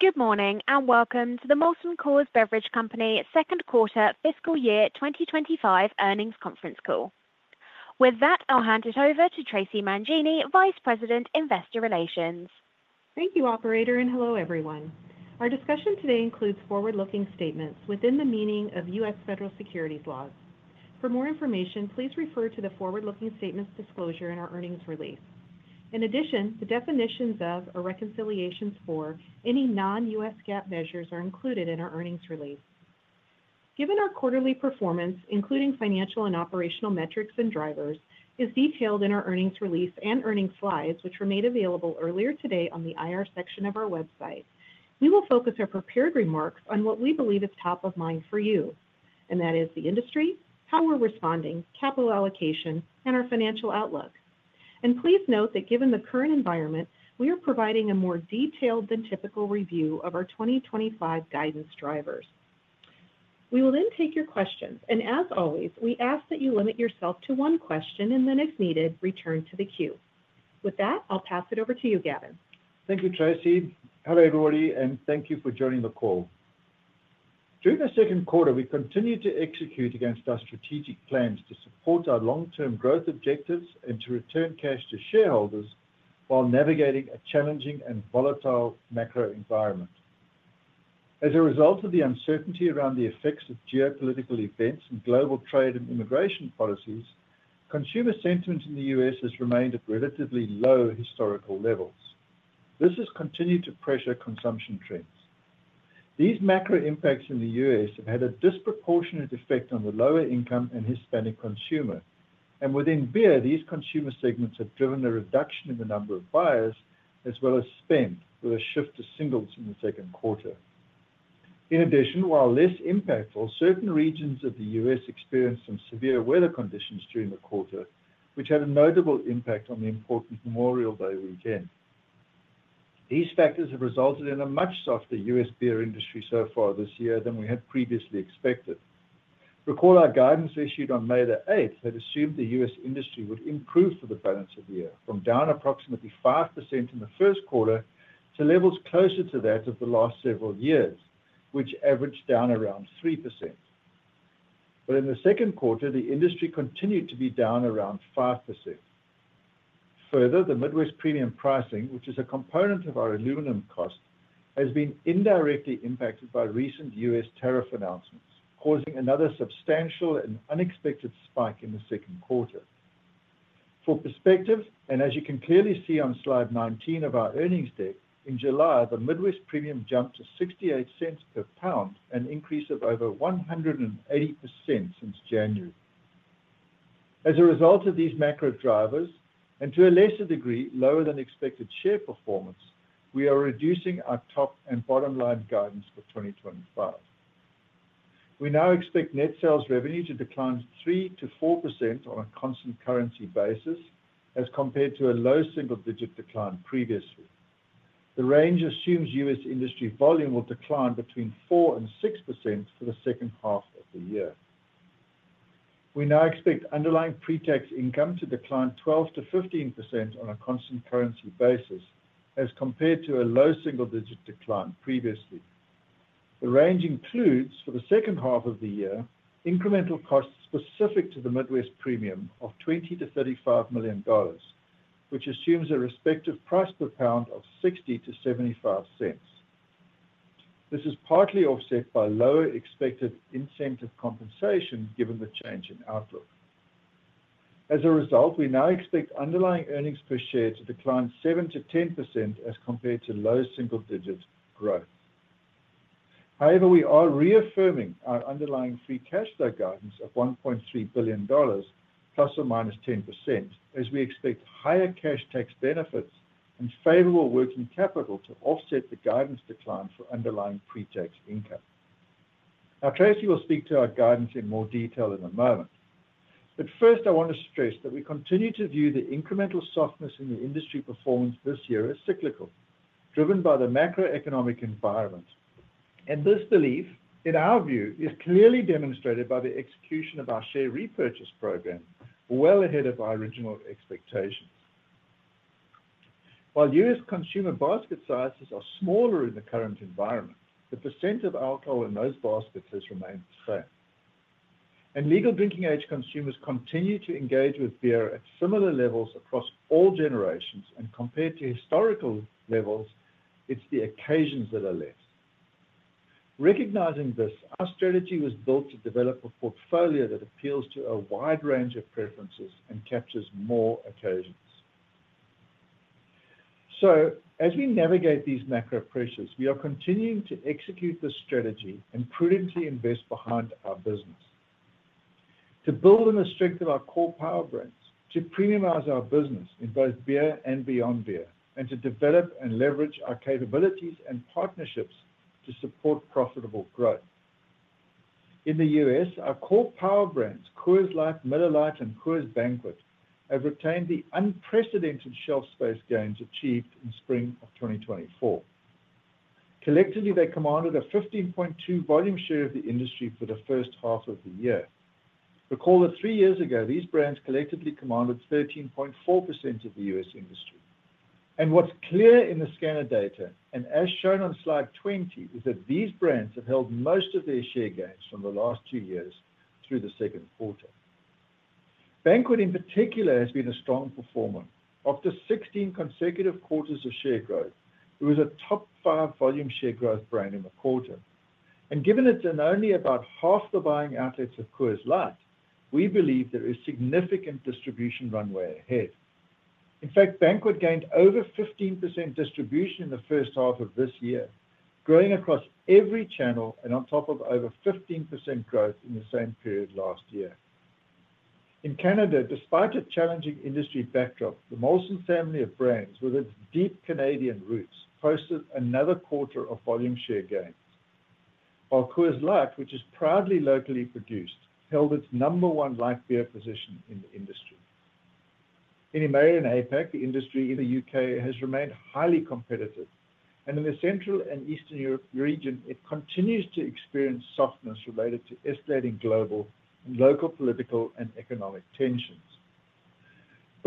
Good morning and welcome to the Molson Coors Beverage Company second quarter fiscal year 2025 earnings conference call. With that I'll hand it over to Tracey Mangini, Vice President Investor Relations. Thank you operator and hello everyone. Our discussion today includes forward looking statements within the meaning of U.S. federal securities laws. For more information please refer to the forward looking statements disclosure in our earnings release. In addition, the definitions of or reconciliations for any non-U.S. GAAP measures are included in our earnings release. Our quarterly performance including financial and operational metrics and drivers is detailed in our earnings release and earnings slides which were made available earlier today on the IR section of our website. We will focus our prepared remarks on what we believe is top of mind for you and that is the industry, how we're responding, capital allocation and our financial outlook. Please note that given the current environment, we are providing a more detailed than typical review of our 2025 guidance drivers. We will then take your questions and as always we ask that you limit yourself to one question and then if needed return to the queue. With that I'll pass it over to you Gavin. Thank you, Tracey. Hello, everybody, and thank you for joining the call. During the second quarter, we continued to execute against our strategic plans to support our long-term growth objectives and to return cash to shareholders while navigating a challenging and volatile macro environment. As a result of the uncertainty around the effects of geopolitical events and global trade and immigration policies, consumer sentiment in the U.S. has remained at relatively low historical levels. This has continued to pressure consumption trends. These macro impacts in the U.S. have had a disproportionate effect on the lower income and Hispanic consumer, and within beer, these consumer segments have driven a reduction in the number of buyers as well as spend with a shift to singles in the second quarter. In addition, while less impactful, certain regions of the U.S. experienced some severe weather conditions during the quarter, which had a notable impact on the important Memorial Day weekend. These factors have resulted in a much softer U.S. beer industry so far this year than we had previously expected. Recall our guidance issued on May 8 that assumed the U.S. industry would improve for the balance of the year from down approximately 5% in the first quarter to levels closer to that of the last several years, which averaged down around 3%, but in the second quarter, the industry continued to be down around 5%. Further, the Midwest premium pricing, which is a component of our aluminum cost, has been indirectly impacted by recent U.S. tariff announcements, causing another substantial and unexpected spike in the second quarter. For perspective, and as you can clearly see on slide 19 of our earnings deck, in July, the Midwest premium jumped to $0.68 per pound, an increase of over 180% since January. As a result of these macro drivers and, to a lesser degree, lower than expected share performance, we are reducing our top and bottom line guidance for 2025. We now expect net sales revenue to decline 3%-4% on a constant currency basis as compared to a low single-digit decline previously. The range assumes U.S. industry volume will decline between 4% and 6% for the second half of the year. We now expect underlying pre-tax income to decline 12%-15% on a constant currency basis as compared to a low single-digit decline previously. The range includes for the second half of the year incremental costs specific to the Midwest Premium of $20 million-$35 million, which assumes a respective price per pound of $0.60-$0.75. This is partly offset by lower expected incentive compensation given the change in outlook. As a result, we now expect underlying earnings per share to decline 7%-10% as compared to low single digit growth. However, we are reaffirming our underlying free cash flow guidance of $1.3 billion ±10% as we expect higher cash tax benefits and favorable working capital to offset the guidance decline for underlying pre-tax income. Tracey will speak to our guidance in more detail in a moment. First, I want to stress that we continue to view the incremental softness in the industry performance this year as cyclical, driven by the macroeconomic environment. This belief in our view is clearly demonstrated by the execution of our share repurchase program, well ahead of our original expectations. While U.S. consumer basket sizes are smaller in the current environment, the percent of alcohol in those baskets has remained the same and legal drinking age consumers continue to engage with beer at similar levels across all generations and compared to historical levels, it's the occasions that are left. Recognizing this, our strategy was built to develop a portfolio that appeals to a wide range of preferences and captures more occasions. As we navigate these macro pressures, we are continuing to execute this strategy and prudently invest behind our business to build and strengthen our core power brands, to premiumise our business in both beer and beyond beer, and to develop and leverage our capabilities and partnerships to support profitable growth in the U.S. Our core power brands, Coors Light, Miller Lite and Coors Banquet have retained the unprecedented shelf space gains achieved in spring of 2024. Collectively, they commanded a 15.2% volume share of the industry for the first half of the year. Recall that three years ago these brands collectively commanded 13.4% of the U.S. industry and what's clear in the scanner data and as shown on slide 20 is that these brands have held most of their share gains from the last two years through the second quarter. Banquet in particular has been a strong performer. After 16 consecutive quarters of share growth. It was a top five volume share growth brand in the quarter, and given it's in only about half the buying outlets of Coors Light, we believe there is significant distribution runway ahead. In fact, Banquet gained over 15% distribution in the first half of this year, growing across every channel and on top of over 15% growth in the same period last year. In Canada, despite a challenging industry backdrop, the Molson family of brands with its deep Canadian roots posted another quarter of volume share gains, while Coors Light, which is proudly locally produced, held its number one light beer position in the industry. In EMEA and APAC, the industry in the UK has remained highly competitive, and in the Central and Eastern European region it continues to experience softness related to escalating global, local, political, and economic tensions.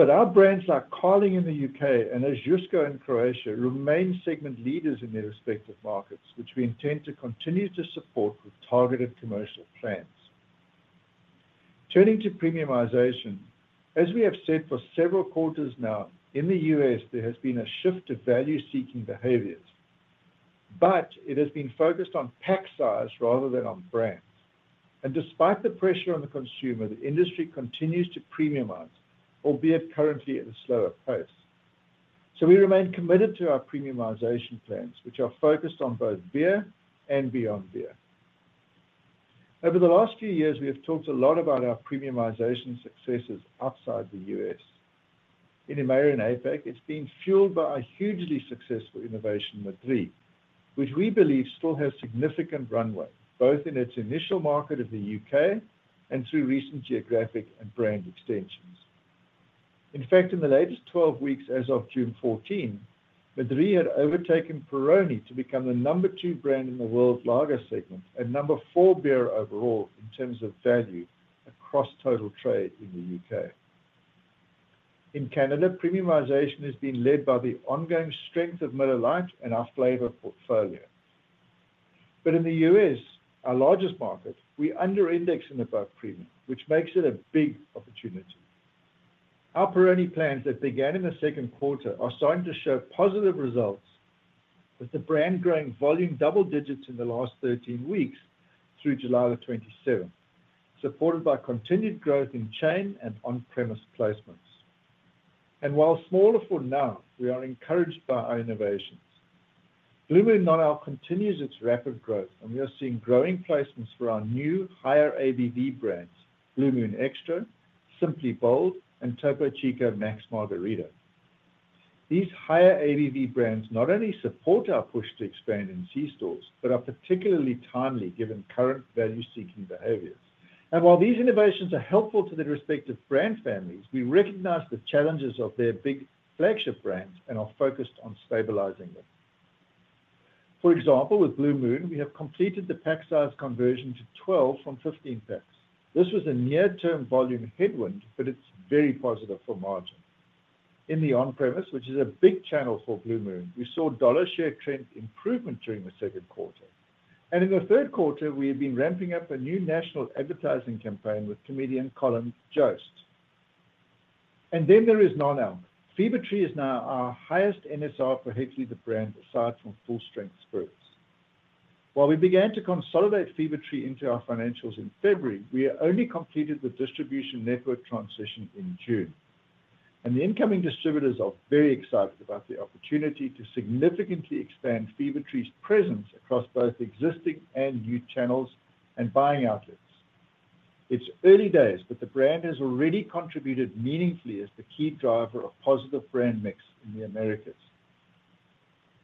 Our brands like Carling in the UK and Ožujsko in Croatia remain segment leaders in their respective markets, which we intend to continue to support with targeted commercial plans. Turning to premiumization, as we have said for several quarters now, in the U.S. there has been a shift to value-seeking behaviors, but it has been focused on pack size rather than on brands. Despite the pressure on the consumer, the industry continues to premium out, albeit currently at a slower pace. We remain committed to our premiumization plans, which are focused on both beer and beyond beer. Over the last few years, we have talked a lot about our premiumization successes outside the U.S. in EMEA and APAC. It's been fueled by a hugely successful innovation, Madrí Excepcional, which we believe still has significant runway both in its initial market of the UK and through recent geographic and brand extensions. In fact, in the latest 12 weeks as of June 14, Madrí Excepcional had overtaken Peroni to become the number two brand in the World Lager segment and number four beer overall in terms of value across total trade in the UK. In Canada, premiumization has been led by the ongoing strength of Miller Lite and our flavor portfolio. In the U.S., our largest market, we under index in the bulk premium, which makes it a big opportunity. Our Peroni plans that began in the second quarter are starting to show positive results, with the brand growing volume double digits in the last 13 weeks through July 27, supported by continued growth in chain and on-premise placements. While smaller for now, we are encouraged by our innovations. Blue Moon Non-Alc continues its rapid growth, and we are seeing growing placements for our new higher-ABV brands, Blue Moon Extra, Simply Bold, and Topo Chico Max Margarita. These higher-ABV brands not only support our push to expand in C-stores but are particularly timely given current value-seeking behaviors. While these innovations are helpful to their respective brand families, we recognize the challenges of our big flagship brands and are focused on stabilizing them. For example, with Blue Moon, we have completed the pack size conversion to 12 from 15 packs. This was a near-term volume headwind, but it's very positive for margin in the on-premise, which is a big channel for Blue Moon. We saw dollar share trend improvement during the second quarter, and in the third quarter, we have been ramping up a new national advertising campaign with comedian Colin Jost. There is Non-Alc Fever-Tree, which is now our highest NSR per hectoliter brand aside from full-strength spirits. While we began to consolidate Fever-Tree into our financials in February, we only completed the distribution network transition in June, and the incoming distributors are very excited about the opportunity to significantly expand Fever-Tree's presence across both existing and new channels and buying outlets. It's early days, but the brand has already contributed meaningfully as the key driver of positive brand mix in the Americas.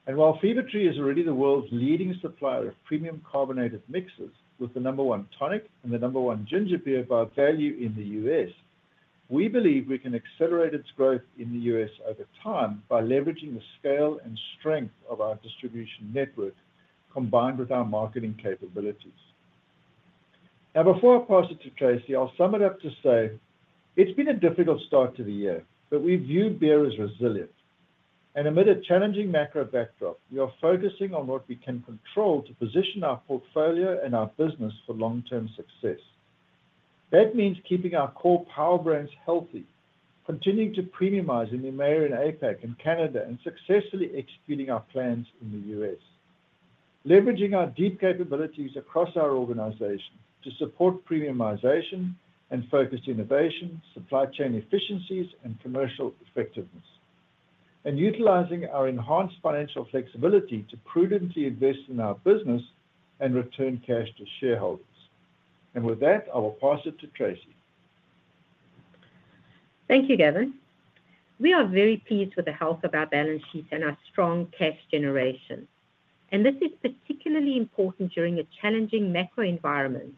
While Fever-Tree is already the world's leading supplier of premium carbonated mixers, with the number one tonic and the number one ginger beer by value in the U.S., we believe we can accelerate its growth in the U.S. over time by leveraging the scale and strength of our distribution network combined with our marketing capabilities. Now, before I pass it to Tracey, I'll sum it up to say it's been a difficult start to the year, but we view beer as resilient, and amid a challenging macro backdrop, we are focusing on what we can control to position our portfolio and our business for long-term success. That means keeping our core power brands healthy, continuing to premiumize in the major and APAC in Canada, and successfully executing our plans in the U.S., leveraging our deep capabilities across our organization to support premiumization and focused innovation, supply chain efficiencies and commercial effectiveness, and utilizing our enhanced financial flexibility to prudently invest in our business and return cash to shareholders. With that, I will pass it to Tracey. Thank you, Gavin. We are very pleased with the health of our balance sheets and our strong cash generation, and this is particularly important during a challenging macro environment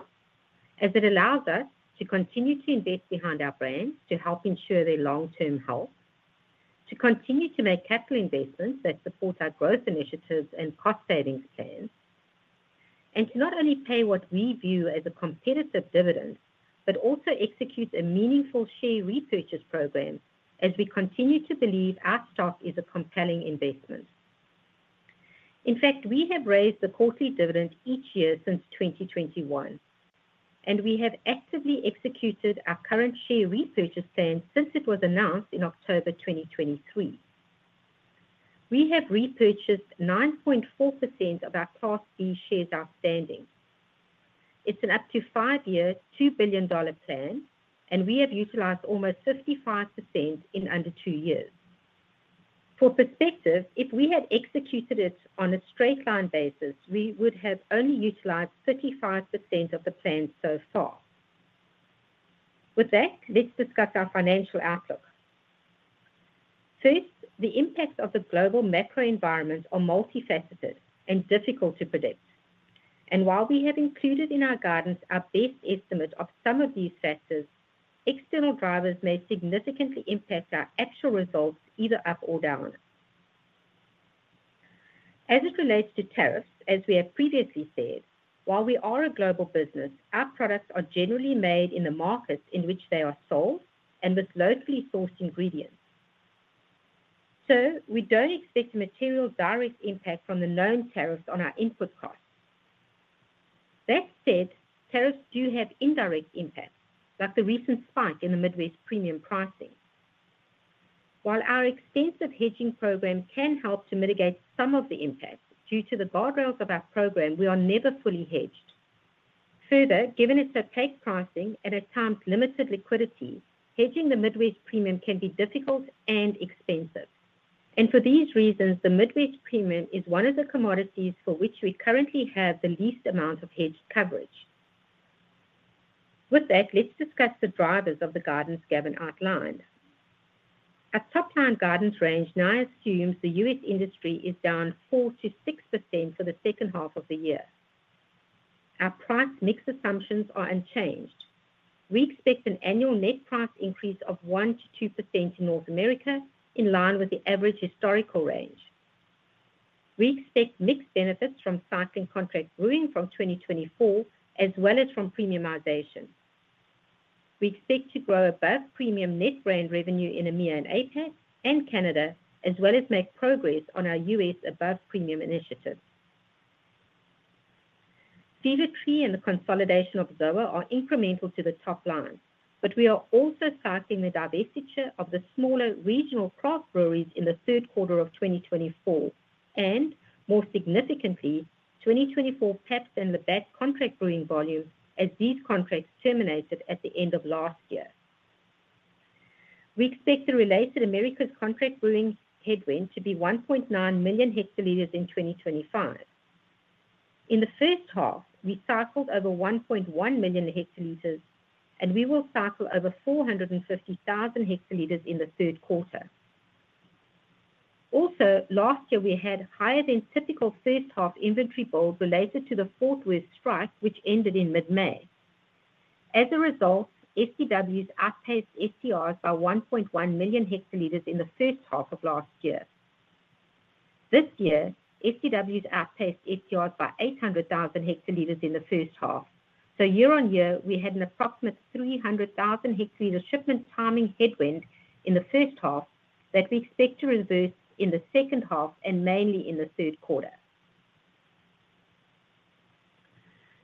as it allows us to continue to invest behind our brands to help ensure their long-term health, to continue to make capital investments that support our growth initiatives and cost savings plans, and to not only pay what we view as a competitive dividend but also execute a meaningful share repurchase program as we continue to believe our stock is a compelling investment. In fact, we have raised the quarterly dividend each year since 2021, and we have actively executed our current share repurchase plan. Since it was announced in October 2023, we have repurchased 9.4% of our Class B shares outstanding. It's an up to five-year $2 billion plan, and we have utilized almost 55% in under two years. For perspective, if we had executed it on a straight-line basis, we would have only utilized 35% of the plan so far. With that, let's discuss our financial outlook. First, the impacts of the global macro environment are multifaceted and difficult to predict, and while we have included in our guidance our best estimate of some of these factors, external drivers may significantly impact our actual results, either up or down as it relates to tariffs. As we have previously said, while we are a global business, our products are generally made in the markets in which they are sold and with locally sourced ingredients, so we don't expect a material direct impact from the known tariffs on our input cost. That said, tariffs do have indirect impact like the recent spike in the Midwest Premium pricing. While our extensive hedging program can help to mitigate some of the impact, due to the guardrails of our program, we are never fully hedged. Further, given its opaque pricing and at times limited liquidity, hedging the Midwest Premium can be difficult and expensive, and for these reasons the Midwest Premium is one of the commodities for which we currently have the least amount of hedge coverage. With that, let's discuss the drivers of the guidance Gavin outlined. Our top-line guidance range now assumes the U.S. industry is down 4% to 6% for the second half of the year. Our price mix assumptions are unchanged. We expect an annual net price increase of 1% to 2% in North America in line with the average historical range. We expect mixed benefits from cycling contract brewing from 2024 as well as from premiumization. We expect to grow above premium net brand revenue in EMEA and APAC and Canada as well as make progress on our U.S. above premium initiatives. Fever-Tree and the consolidation of ZOA are incremental to the top line, but we are also cycling the divestiture of the smaller regional craft breweries in the third quarter of 2024 and more significantly 2024 Pabst and Labatt's contract brewing volume. As these contracts terminated at the end of last year, we expect the related Americas contract brewing headwind to be 1.9 million hectoliters in 2025. In the first half we cycled over 1.1 million hectoliters and we will cycle over 450,000 hectoliters in the third quarter. Last year we had higher than typical first half inventory build related to the Fort Worth strike which ended in mid-May. As a result, FDWs outpaced STRs by 1.1 million hectoliters in the first half of last year. This year SDWs outpaced STRs by 800,000 hectoliters in the first half. Year on year we had an approximate 300,000 hectoliter shipment timing headwind in the first half that we expect to reverse in the second half, mainly in the third quarter.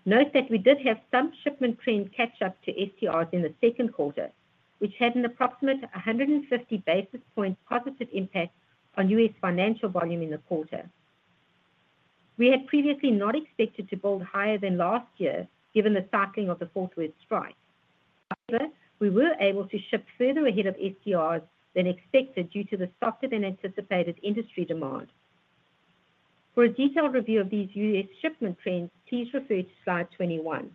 Note that we did have some shipment trend catch up to STRs in the second quarter which had an approximate 150 basis point positive impact on U.S. financial volume in the quarter. We had previously not expected to build higher than last year. Given the tackling of the Fort Worth strike, we were able to ship further ahead of STRs than expected due to the softer than anticipated industry demand. For a detailed review of these U.S. shipment trends, please refer to Slide 21.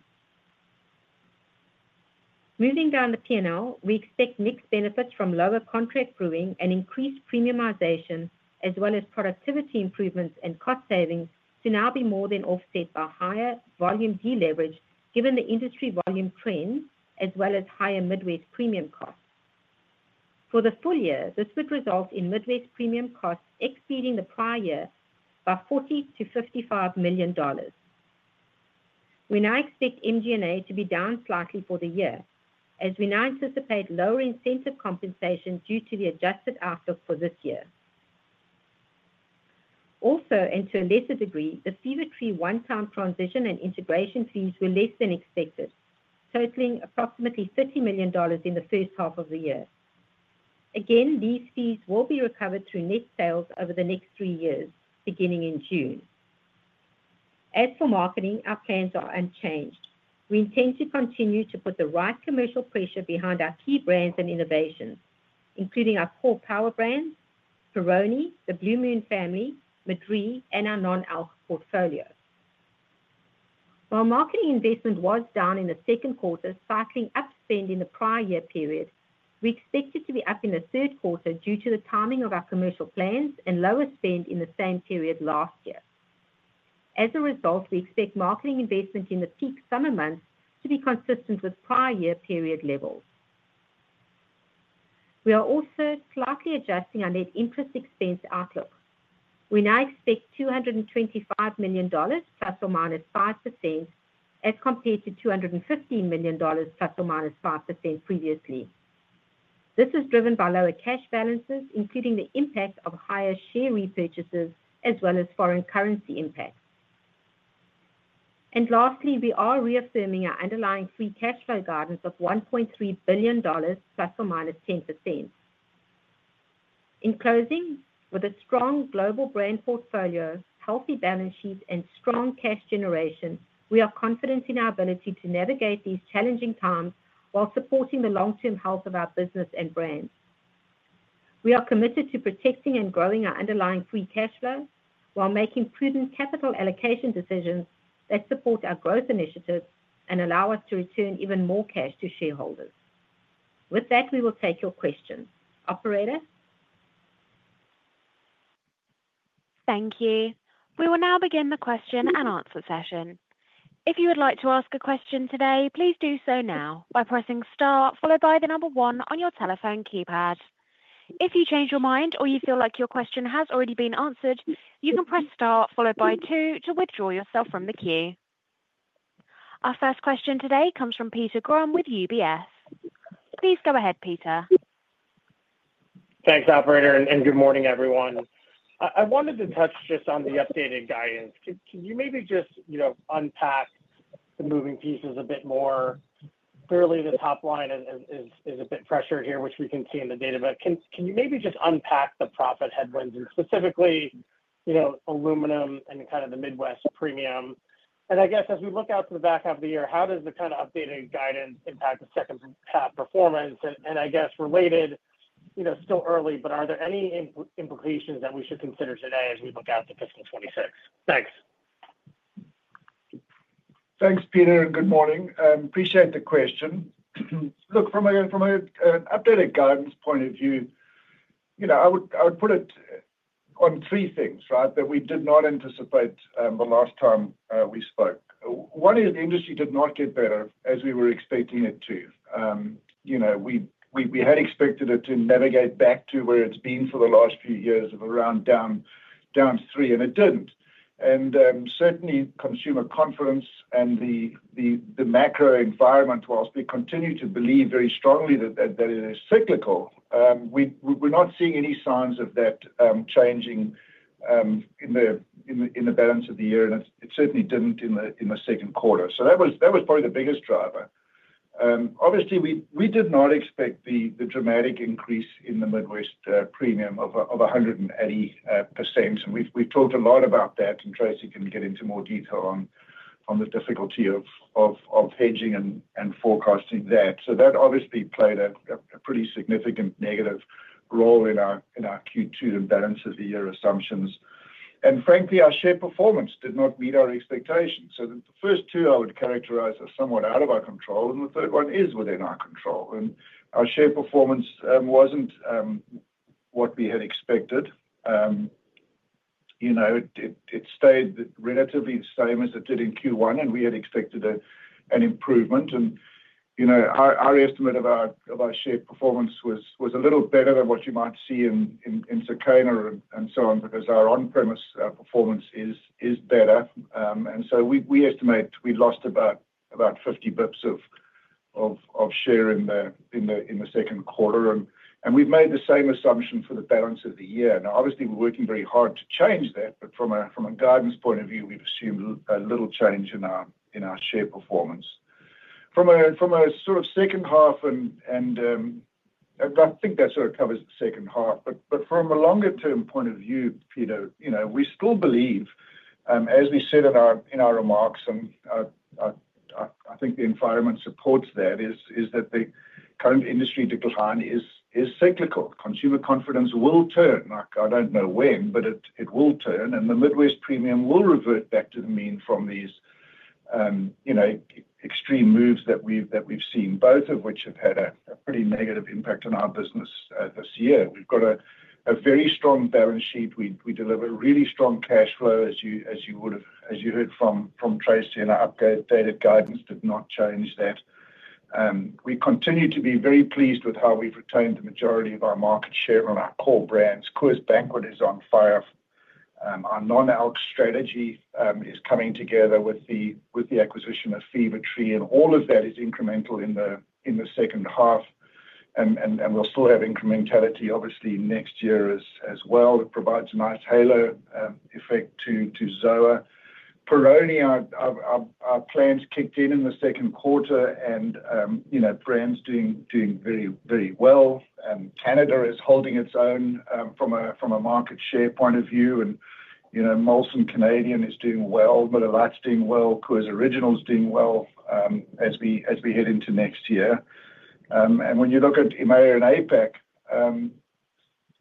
Moving down the P&L, we expect mixed benefits from lower contract brewing and increased premiumization as well as productivity improvements and cost savings to now be more than offset by higher volume deleverage given the industry volume trends as well as higher Midwest premium costs for the full year. This would result in Midwest premium costs exceeding the prior year by $40 million-$55 million. We now expect MG&A to be down slightly for the year as we now anticipate lower incentive compensation due to the adjusted outlook for this year. Also, and to a lesser degree, the Fever-Tree one-time transition and integration fees were less than expected, totaling approximately $30 million in the first half of the year. These fees will be recovered through net sales over the next three years beginning in June. As for marketing, our plans are unchanged. We intend to continue to put the right commercial pressure behind our key brands and innovations including our core power brands Peroni, the Blue Moon Family, Madrí, and our non-alk portfolio. While marketing investment was down in the second quarter cycling up spend in the prior year period, we expect it to be up in the third quarter due to the timing of our commercial plans and lower spend in the same period last year. As a result, we expect marketing investment in the peak summer months to be consistent with prior year period levels. We are also slightly adjusting our net interest expense outlook. We now expect $225 million plus or minus 5% as compared to $215 million plus or minus 5% previously. This is driven by lower cash balances, including the impact of higher share repurchases as well as foreign currency impacts. Lastly, we are reaffirming our underlying free cash flow guidance of $1.3 billion ±10%. In closing, with a strong global brand portfolio, healthy balance sheet, and strong cash generation, we are confident in our ability to navigate these challenging times while supporting the long-term health of our business and brand. We are committed to protecting and growing our underlying free cash flow while making prudent capital allocation decisions that support our growth initiatives and allow us to return even more cash to shareholders. With that, we will take your questions. Operator. hank you. We will now begin the question and answer session. If you would like to ask a question today, please do so now by pressing Star followed by the number one on your telephone keypad. If you change your mind or you feel like your question has already been answered, you can press Star followed by two to withdraw yourself from the queue. Our first question today comes from Peter K. Grom with UBS Investment Bank. Please go ahead, Peter. Thanks, Operator, and good morning, everyone. I wanted to touch just on the updated guidance. Can you maybe just unpack the moving pieces a bit more clearly? The top line is a bit pressured here, which we can see in the data. Can you maybe just unpack the profit headwinds and specifically, you know, aluminum and kind of the Midwest premium? As we look out to the back half of the year, how does the kind of updated guidance impact the second half performance? I guess related, you know, still early, but are there any implications that we should consider today as we look out to fiscal 2026? Thanks. Thanks, Peter, and good morning. Appreciate the question. Look, from an updated guidance point of view, I would put it on three things that we did not anticipate the last time we spoke. One is the industry did not get better as we were expecting it to. We had expected it to navigate back to where it's been for the last few years of around down 3% and it didn't, and certainly consumer confidence and the macro environment. Whilst we continue to believe very strongly that in a cyclical, we're not seeing any signs of that changing in the balance of the year, and it certainly didn't in the second quarter. That was probably the biggest driver. Obviously, we did not expect the dramatic increase in the Midwest premium of 180%, and we've talked a lot about that, and Tracey can get into more detail on the difficulty of hedging and forecasting that. That obviously played a pretty significant negative role in our Q2 and balance of the year assumptions. Frankly, our share performance did not meet our expectations. The first two I would characterize as somewhat out of our control, and the third one is within our control. Our share performance wasn't what we had expected. It stayed relatively the same as it did in Q1, and we had expected an improvement. Our estimate about share performance was a little better than what you might see in Tokana and so on because our on-premise performance is better. We estimate we lost about 50 basis points of share in the second quarter, and we've made the same assumption for the balance of the year. Obviously, we're working very hard to change that. From a guidance point of view, we've seen little change in our share performance from a sort of second half, and I think that covers the second half. From a longer-term point of view, Peter, we still believe, as we said in our remarks, and I think the environment supports that, is that the current industry decline is cyclical. Consumer confidence will turn, I don't know when, but it will turn, and the Midwest premium will revert back to the mean from these extreme moves that we've seen, both of which have had a pretty negative impact on our business this year. We've got a very strong balance sheet. We deliver really strong cash flow, as you heard from Tracey, and updated guidance did not change that. We continue to be very pleased with how we've retained the majority of our market share on our core brands. Coors Banquet is on fire. Our non-alc strategy is coming together with the acquisition of Fever-Tree, and all of that is incremental in the second half, and we'll still have incrementality obviously next year as well. It provides a nice halo effect to Peroni. Our plans kicked in in the second quarter, and brands are doing very well, and Canada is holding its own from a market share point of view, and Molson Canadian is doing well, Miller Lite's doing well, Coors Original's doing well as we head into next year. When you look at EMEA and APAC.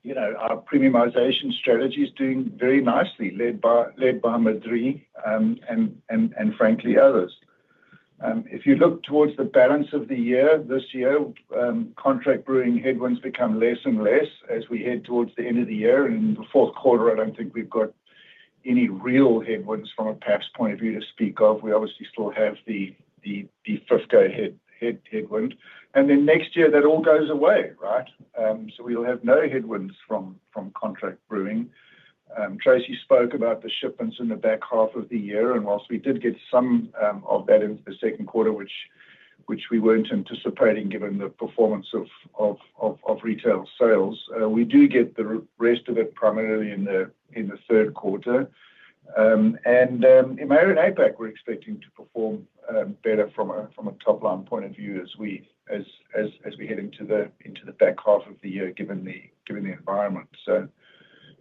Our premiumization strategy is doing very nicely, led by Madrí Excepcional and frankly others. If you look towards the balance of the year this year, contract brewing headwinds become less and less as we head towards the end of the year in the fourth quarter. I don't think we've got any real headwinds from a PABS point of view to speak of. We obviously still have the FIFA headwind, and then next year that all goes away, right? We'll have no headwinds from contract brewing. Tracey spoke about the shipments in the back half of the year, and whilst we did get some of that into the second quarter, which we weren't anticipating, given the performance of retail sales, we do get the rest of it primarily in the third quarter. In Marion APAC, we're expecting to perform better from a top line point of view as we head into the back half of the year, given the environment.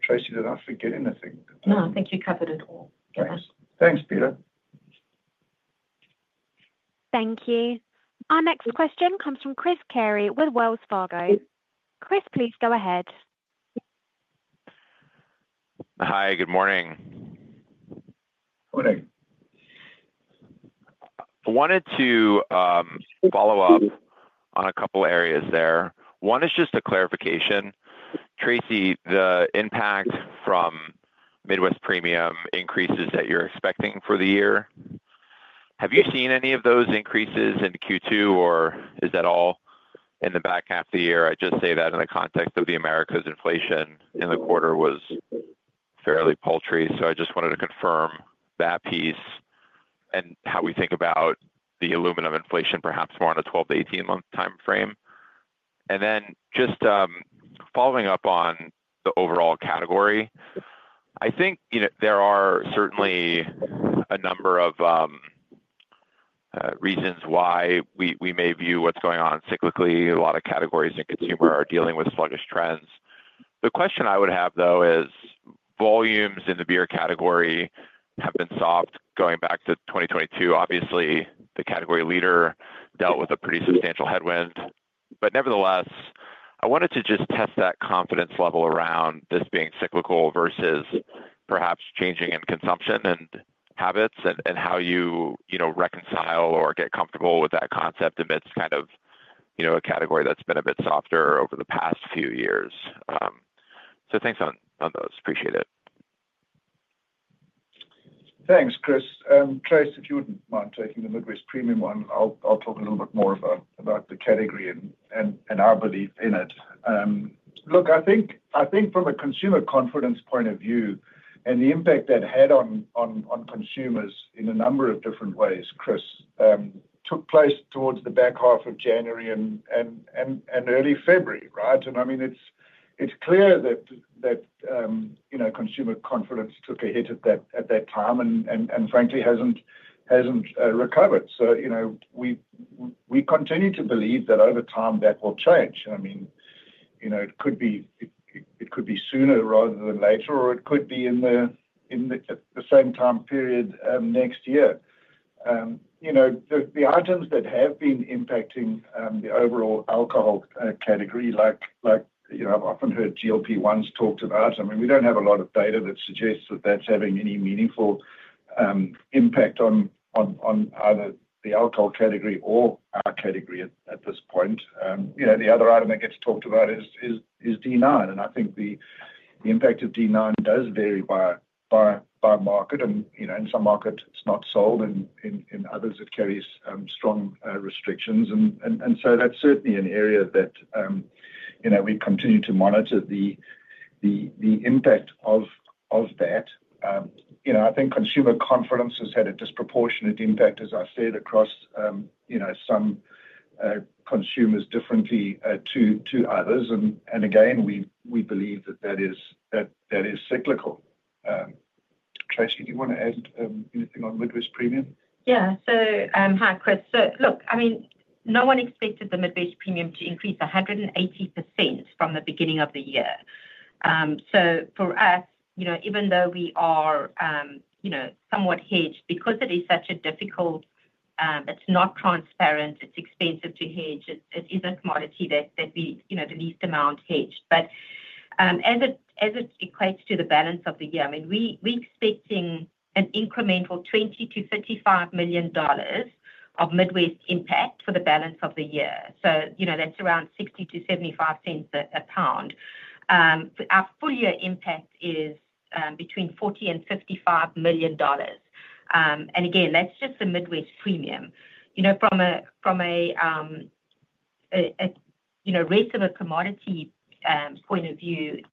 Tracey, did I forget anything? No, I think you covered it all for us. Thanks, Peter. Thank you. Our next question comes from Chris Carey with Wells Fargo Securities. Chris, please go ahead. Hi, good morning. I wanted to follow up on a couple areas there. One is just a clarification, Tracey. The impact from Midwest premium increases that you're expecting for the year, have you seen any of those increases in Q2 or is that all in the back half of the year? I just say that in the context of the Americas, inflation in the quarter was fairly paltry. I just wanted to confirm that piece and how we think about the aluminum inflation perhaps more on a 12 to 18 month time frame. Then just following up on the overall category, I think there are certainly a number of reasons why we may view what's going on cyclically. A lot of categories in consumer are dealing with sluggish trends. The question I would have though is volumes in the beer category have been soft going back to 2022. Obviously the category leader dealt with a pretty substantial headwind. Nevertheless, I wanted to just test that confidence level around this being cyclical versus perhaps changing in consumption and habits and how you reconcile or get comfortable with that concept amidst a category that's been a bit softer over the past few years. Thanks on those. Appreciate it. Thanks, Chris. If you didn't mind taking the Midwest premium one, I'll talk a little bit more about the category and our belief in it. I think from a consumer confidence point of view and the impact that had on consumers in a number of different ways, Chris, took place towards the back half of January and early February right? It is clear that consumer confidence took a hit at that time and frankly hasn't recovered. We continue to believe that over time that will change. It could be sooner rather than later or it could be at the same time period next year. The items that have been impacting the overall alcohol category, like, I've often heard GLP once talked about, we don't have a lot of data that suggests that that's having any meaningful impact on the alcohol category or our category at this point. The other item that gets talked about is D9. I think the impact of D9 does vary by market and in some markets it's not sold and in others it carries strong restrictions. That is certainly an area that we continue to monitor. The impact of that, I think consumer confidence has had a disproportionate impact, as I said, across some consumers, differently to others. We believe that that is cyclical. Tracey, do you want to add anything on Midwest Premium? Yeah, hi Chris. Look, I mean no one expected the Midwest premium to increase 180% from the beginning of the year. For us, even though we are somewhat hedged because it is such a difficult, it's not transparent, it's expensive to hedge. It is a commodity that we, you know, the least amount hedged. As it equates to the balance of the year, we are expecting an incremental $20 million-$35 million of Midwest impact for the balance of the year. That's around $0.60-$0.75 a pound. Our full year impact is between $40 million and $55 million. Again, that's just the Midwest premium. From a rest of a commodity point of view,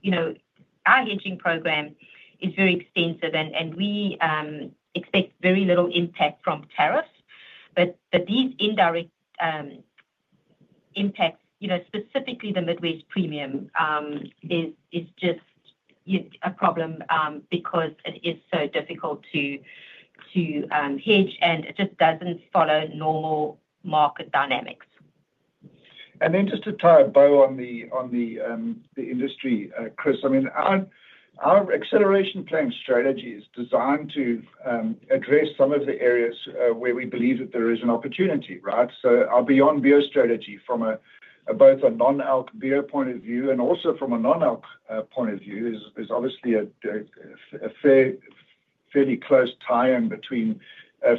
our hedging program is very extensive and we expect very little impact from tariffs. These indirect impacts, specifically the Midwest premium, are just a problem because it is so difficult to hedge and it just doesn't follow normal market dynamics. To tie a bow on the industry, Chris, I mean our acceleration plan strategy is designed to address some of the areas where we believe that there is an opportunity. Our Beyond Beer strategy, from both a non-alc beer point of view and also from a non-alc point of view, has a fairly close tie-in between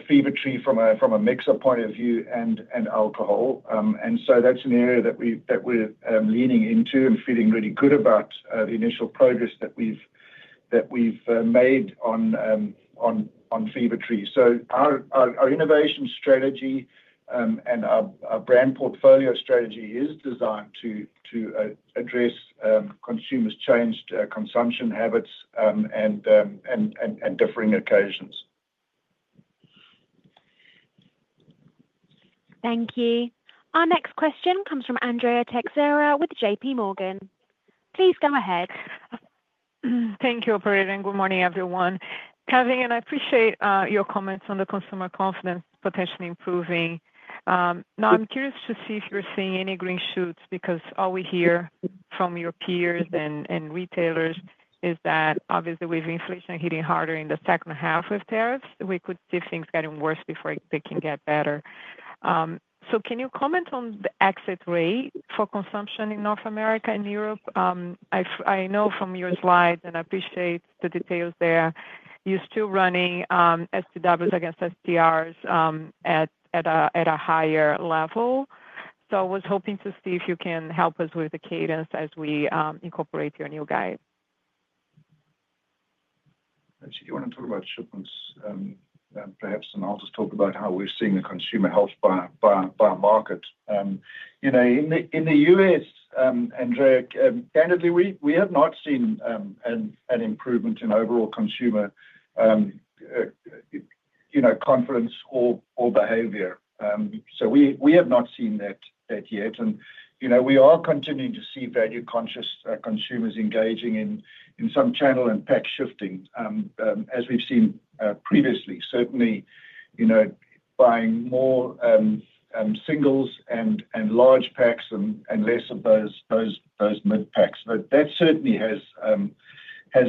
Fever-Tree from a mixer point of view and alcohol. That is an area that we're leaning into and feeling really good about the initial progress that we've made on Fever-Tree. Our innovation strategy and our brand portfolio strategy are designed to address consumers' changed consumption habits and differing occasions. Thank you. Our next question comes from Andrea Faria Teixeira with JPMorgan Chase & Co. Please go ahead. Thank you, operator, and good morning, everyone. Kevin, I appreciate your comments on the consumer confidence but potentially improving. Now I'm curious to see if you're seeing any green shoots because all we hear from your peers and retailers is that obviously with inflation hitting harder in the second half of tariffs, we could see things getting worse before they can get better. Can you comment on the exit rate for consumption in North America and Europe? I know from your slide, and I appreciate the details there, you're still running STWs against STRs at a higher level. I was hoping to see if you can help us with the cadence as we incorporate your new guide. Do you want to talk about shipments perhaps? I'll just talk about how we're seeing the consumer health by market. You know, in the U.S., Andrea, candidly we have not seen an improvement in overall consumer confidence or behavior. We have not seen that yet. We are continuing to see value conscious consumers engaging in some channel and pack shifting as we've seen previously, certainly buying more singles and large packs and less of those mid packs. That certainly has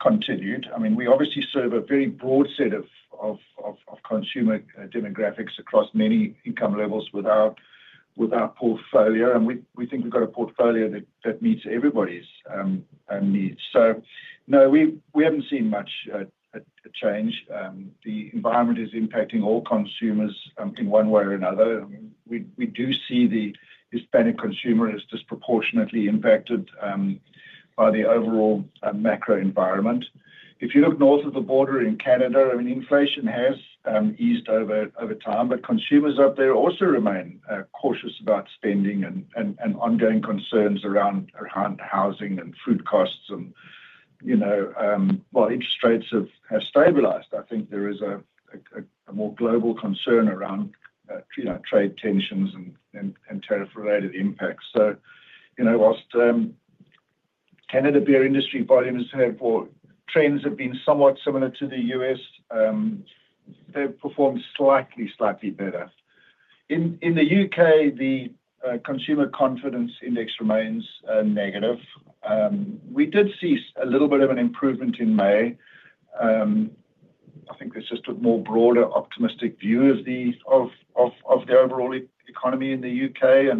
continued. We obviously serve a very broad set of consumer demographics across many income levels with our portfolio, and we think we've got a portfolio that meets everybody's needs. No, we haven't seen much change. The environment is impacting all consumers in one way or another. We do see the Hispanic consumer is disproportionately impacted by the overall macro environment. If you look north of the border in Canada, inflation has eased over time, but consumers up there also remain cautious about spending and ongoing concerns around housing and food costs. While interest rates have stabilized, I think there is a more global concern around trade tensions and tariff related impacts. Whilst Canada beer industry volumes or trends have been somewhat similar to the U.S., they perform slightly better. In the UK, the consumer confidence index remains negative. We did see a little bit of an improvement in May. I think it's just a more broader optimistic view of the overall economy in the UK,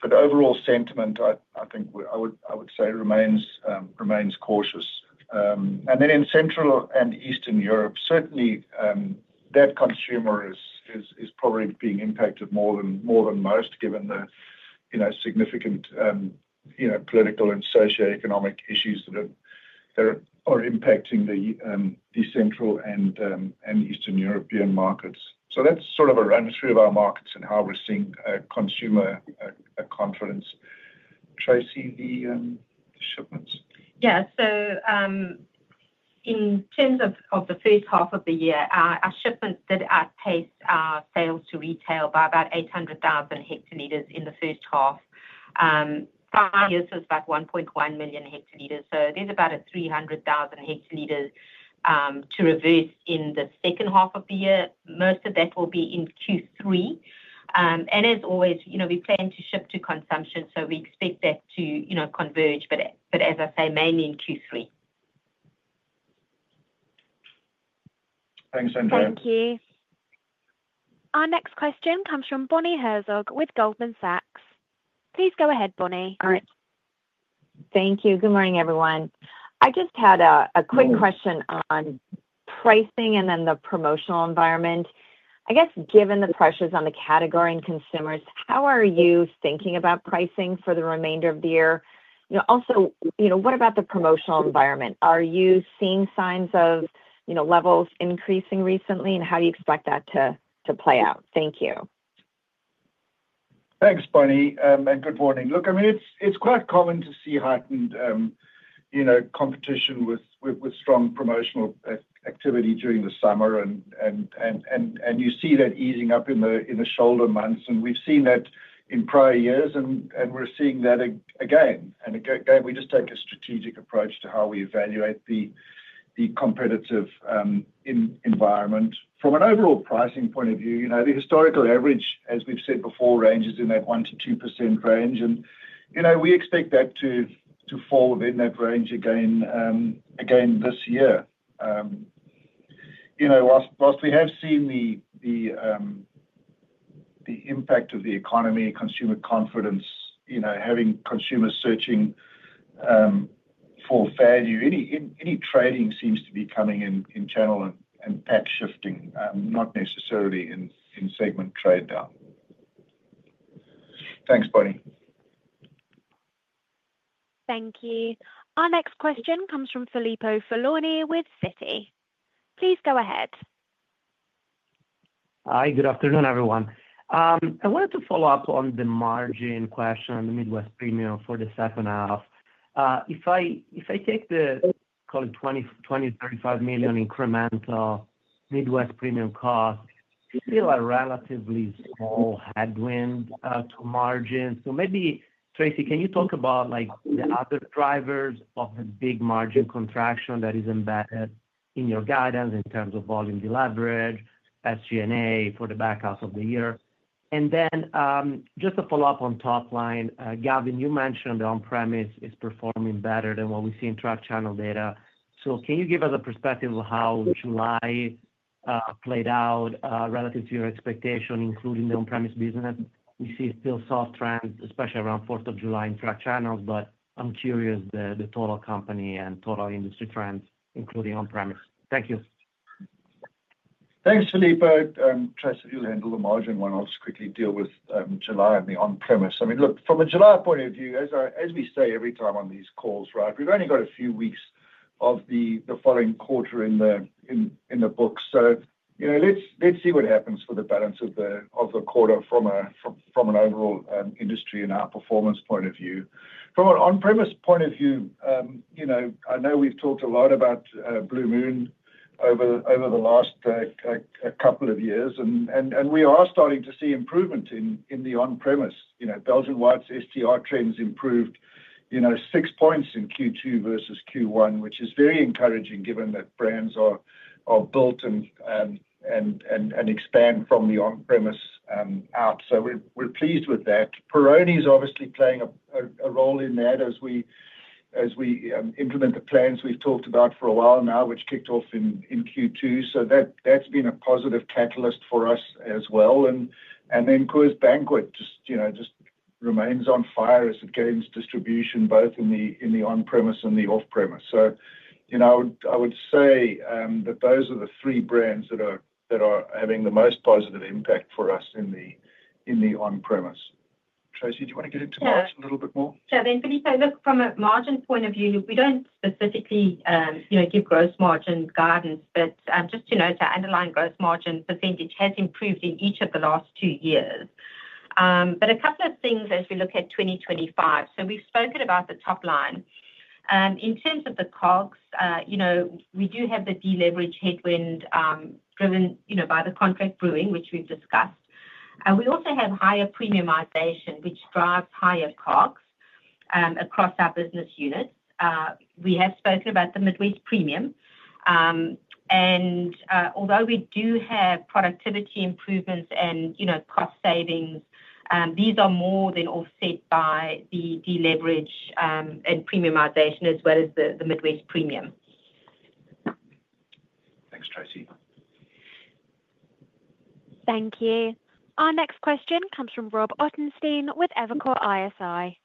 but overall sentiment I think I would say remains cautious. In Central and Eastern Europe, certainly that consumer is probably being impacted more than most given the significant political and socioeconomic issues that are impacting the Central and Eastern European markets. That's sort of a run through of our markets and how we're seeing consumer confidence. Tracey, the shipments. Yeah. In terms of the first half of the year, our shipments did outpace our sales to retail by about 800,000 hectoliters in the first half. Years was about 1.1 million hectoliters. There's about a 300,000 hectoliters to reverse each in the second half of the year. Most of that will be in Q3, and as always, you know, we plan to ship to consumption, so we expect that to, you know, converge. As I say, mainly in Q3. Thanks Andrea. Thank you. Our next question comes from Bonnie Herzog with Goldman Sachs. Please go ahead, Bonnie. Thank you. Good morning, everyone. I just had a quick question on pricing and then the promotional environment. I guess given the pressures on the category and consumers, how are you thinking about pricing for the remainder of the year? Also, what about the promotional environment? Are you seeing signs of levels increasing recently, and how do you expect that to play out? Thank you. Thanks Bonnie and good morning. It's quite common to see heightened competition with strong promotional activity during the summer, and you see that easing up in the shoulder months. We've seen that in prior years, and we're seeing that again and again. We just take a strategic approach to how we evaluate the competitive environment from an overall pricing point of view. The historical average, as we've said before, ranges in that 1% to 2% range, and we expect that to fall within that range again this year. Whilst we have seen the impact of the economy, consumer confidence, having consumers searching for value, any trading seems to be coming in channel and patch shifting, not necessarily in segment trade down. Thanks Bonnie. Thank you. Our next question comes from Filippo Falorni with Citigroup Inc. Please go ahead. Hi, good afternoon everyone. I wanted to follow up on the margin question. The Midwest premium for the second half, if I take the call it $20 million-$35 million incremental Midwest premium cost, is still a relatively small headwind to margin. Tracy, can you talk about the other drivers of a big margin contraction that is embedded in your guidance in terms of volume deleverage, SG&A for the back half of the year? Just to follow up on top line, Gavin, you mentioned the on-premise is performing better than what we see in truck channel data. Can you give us a perspective of how July played out relative to your expectation, including the on-premise business? We see still soft trend especially around 4th of July in truck channels. I'm curious about the total company and total industry trends including on-premise. Thank you. Thanks, Filippo. Tracey, you'll handle the margin one. I'll just quickly deal with July and the on premise. I mean, look, from a July point of view, as I, as we say every time on these calls, right, we've only got a few weeks of the following quarter in the books, so let's see what happens for the balance of the quarter from an overall industry and our performance point of view, from an on premise point of view. I know we've talked a lot about Blue Moon over the last couple of years and we are starting to see improvement in the on premise. Blue Moon Belgian White STR trends improved, you know, 6 points in Q2 versus Q1, which is very encouraging given that brands are built and expand from the on premise out. We're pleased with that. Peroni is obviously playing a role in that as we implement the plans we've talked about for a while now, which kicked off in Q2. That's been a positive catalyst for us as well. Coors Banquet just remains on fire as it gains distribution both in the on premise and the off premise. I would say that those are the three brands that are having the most positive impact for us in the on premise. Tracey, do you want to get into that a little bit more? From a margin point of view, we don't specifically give gross margin guidance, but just to note, the underlying gross margin % has improved in each of the last two years. A couple of things as we look at 2025: we've spoken about the top line in terms of the COGS. We do have the deleverage headwind driven by the contract brewing which we've discussed. We also have higher premiumization which drives higher COGS across our business units. We have spoken about the Midwest premium, and although we do have productivity improvements and cost savings, these are more than offset by the deleverage and premiumization as well as the Midwest premium. Thanks Tracey. Thank you. Our next question comes from Robert Edward Ottenstein with Evercore ISI.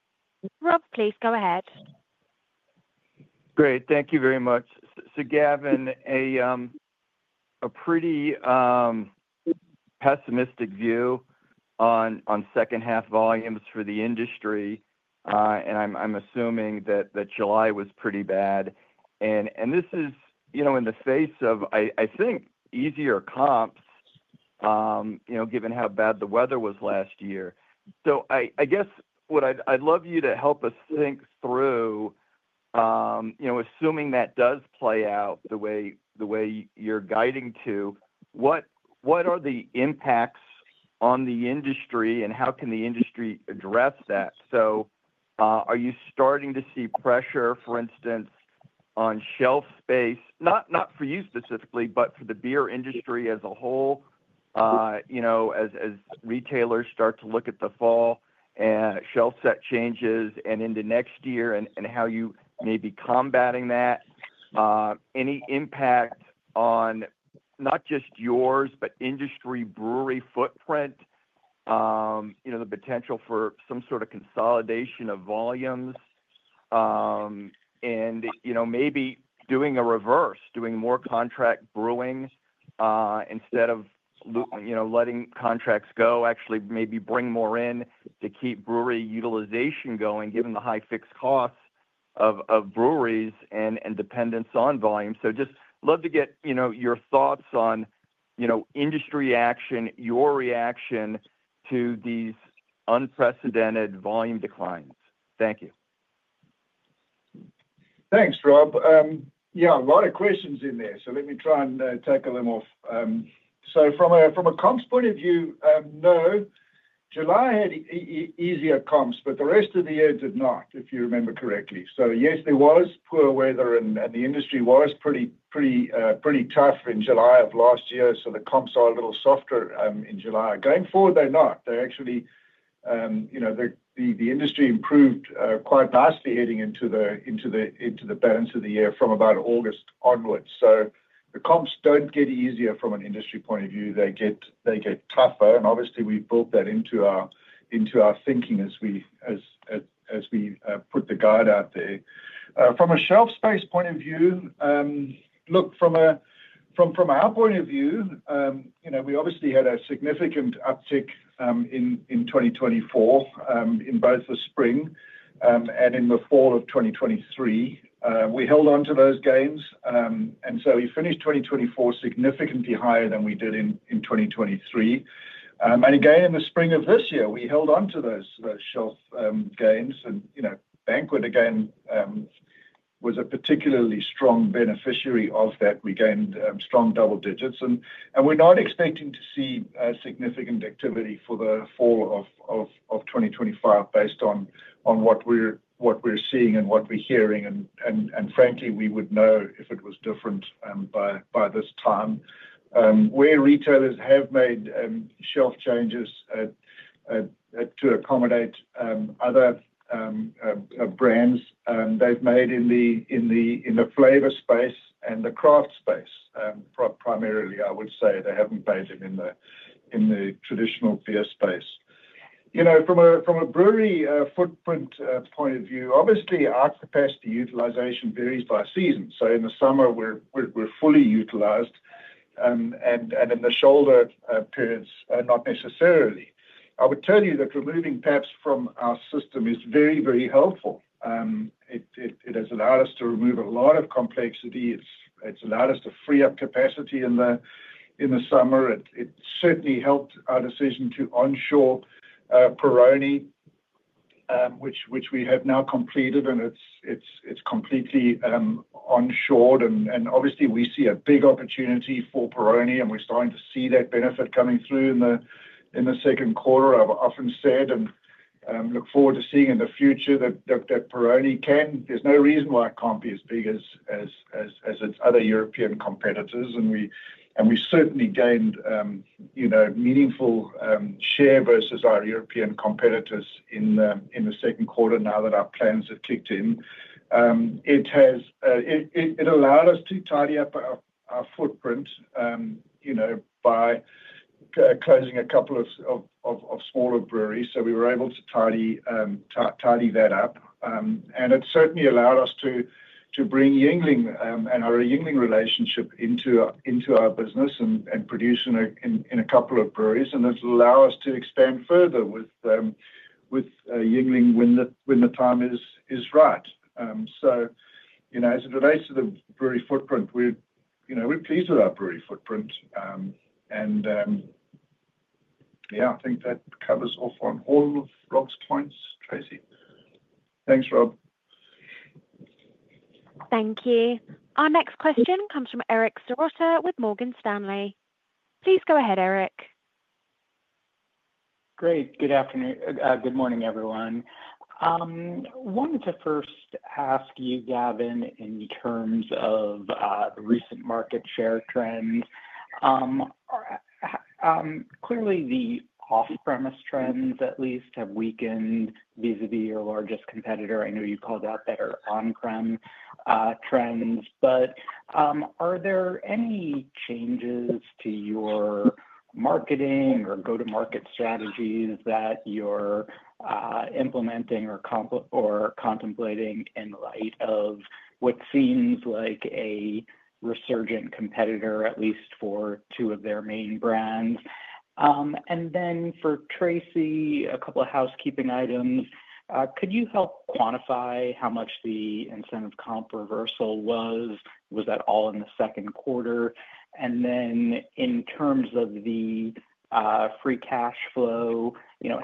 Rob, please go ahead. Great, thank you very much. Gavin, a pretty pessimistic view on second half volumes for the industry, and I'm assuming that July was pretty bad. This is, you know, in the face of, I think, easier comps, you know, given how bad the weather was last year. I guess what I'd love you to help us think through. Assuming that does play out the way you're guiding to, what are the impacts on the industry and how can the industry address that? Are you starting to see pressure, for instance, on shelf space? Not for you specifically, but for the beer industry as a whole. As retailers start to look at the fall and shelf set changes and into next year and how you may be combating that, any impact on not just yours, but industry, brewery footprint, the potential for some sort of consolidation of volumes and maybe doing a reverse, doing more contract brewing instead of letting contracts go, actually maybe bring more in to keep brewery utilization going given the high fixed costs of breweries and dependence on volume. I would love to get your thoughts on industry action, your reaction to these unprecedented volume declines. Thank you. Thanks, Rob. Yeah, a lot of questions in there, so let me try and tackle them off. From a comps point of view, no, July had easier comps, but the rest of the year did not, if you remember correctly. Yes, there was poor weather and the industry was pretty tough in July of last year, so the comps are a little softer in July going forward. They're not. They're actually, you know, the industry improved quite nicely heading into the balance of the year from about August onwards. The comps don't get easier from an industry point of view, they get tougher. Obviously, we built that into our thinking as we put the guide out there. From a shelf space point of view, look, from our point of view, we obviously had a significant uptick in 2024. In both the spring and in the fall of 2023, we held onto those gains, and so we finished 2024 significantly higher than we did in 2023. Again, in the spring of this year, we held onto those shelf gains, and Coors Banquet, again, was a particularly strong beneficiary of that. We gained strong double digits. We're not expecting to see significant activity for the fall of 2025 based on what we're seeing and what we're hearing. Frankly, we would know if it was different by this time. Where retailers have made shelf changes to accommodate other brands, they've made them in the flavor space and the craft space primarily. I would say they haven't painted in the traditional beer space. From a brewery footprint point of view, obviously our capacity utilization varies by season. In the summer, we're fully utilized, and in the shoulder periods, not necessarily. I would tell you that removing taps from our system is very, very helpful. It has allowed us to remove a lot of complexities. It's allowed us to free up capacity in the summer. It certainly helped our decision to onshore Peroni, which we have now completed, and it's completely onshored. Obviously, we see a big opportunity for Peroni, and we're starting to see that benefit coming through in the second quarter. I've often said and look forward to seeing in the future that Peroni can, there's no reason why it can't be as big as its other European competitors, and we certainly gained meaningful share versus our European competitors in the second quarter now that our plans have kicked in. It has allowed us to tidy up our footprint by closing a couple of smaller breweries. We were able to tidy that up and it certainly allowed us to bring Yuengling and our Yuengling relationship into our business and produce in a couple of breweries and then expand further with Yuengling when the time is right. As it relates to the brewery footprint, we're pleased with our brewery footprint and I think that covers off on all of Rob's points. Thanks, Rob. Thank you. Our next question comes from Eric Adam Serotta with Morgan Stanley. Please go ahead, Eric. Great. Good afternoon. Good morning everyone. Wanted to first ask you, Gavin, in terms of recent market share trends. Clearly the off premise trends at least have weakened vis a vis your largest competitor. I know you called out better on prem trends, but are there any changes to your marketing or go to market strategies that you're implementing or contemplating in light of what seems like a resurgent competitor, at least for two of their main brands? For Tracey, a couple of housekeeping items. Could you help quantify how much the incentive comp reversal was? Was that all in the second quarter? In terms of the free cash flow,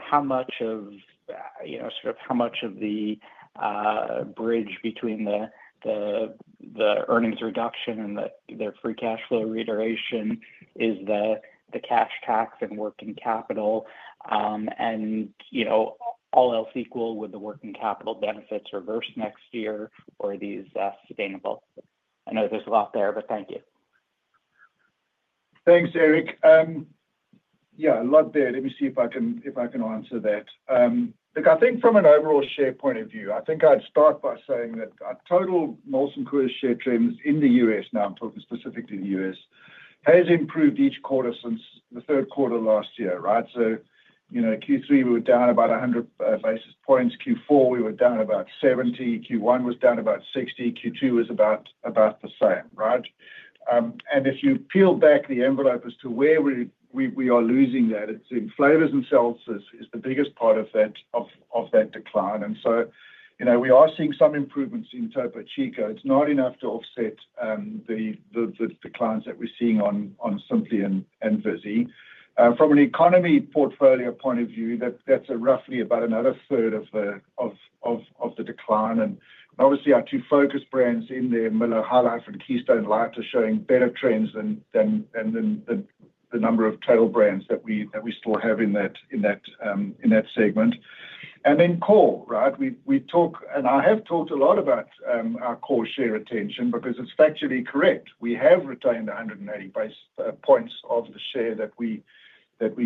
how much of the bridge between the earnings reduction and their free cash flow reiteration is the cash tax and working capital, and all else equal, will the working capital benefits reverse next year or are these sustainable? I know there's a lot there, but thank you. Thanks, Eric. Let me see if I can answer that. Look, I think from an overall share point of view, I think I'd start by saying that total Molson Coors share trends in the U.S., now specifically the U.S., has improved each quarter since the third quarter last year. Right. Q3 we were down about 100 basis points. Q4 we were down about 70. Q1 was down about 60, Q2 was about the same. If you peel back the envelope as to where we are losing that, it's Simply itself that is the biggest part of that decline. We are seeing some improvements in Topo Chico. It's not enough to offset the declines that we're seeing on Simply and Vizzy. From an economy portfolio point of view, that's roughly about another third of the decline. Obviously, our two focus brands in there, Miller High Life and Keystone Light, are showing better trends than the number of tail brands that we still have in that segment. Core, right, we talk and I have talked a lot about our core share retention because it's factually correct. We have retained 180 points of the share that we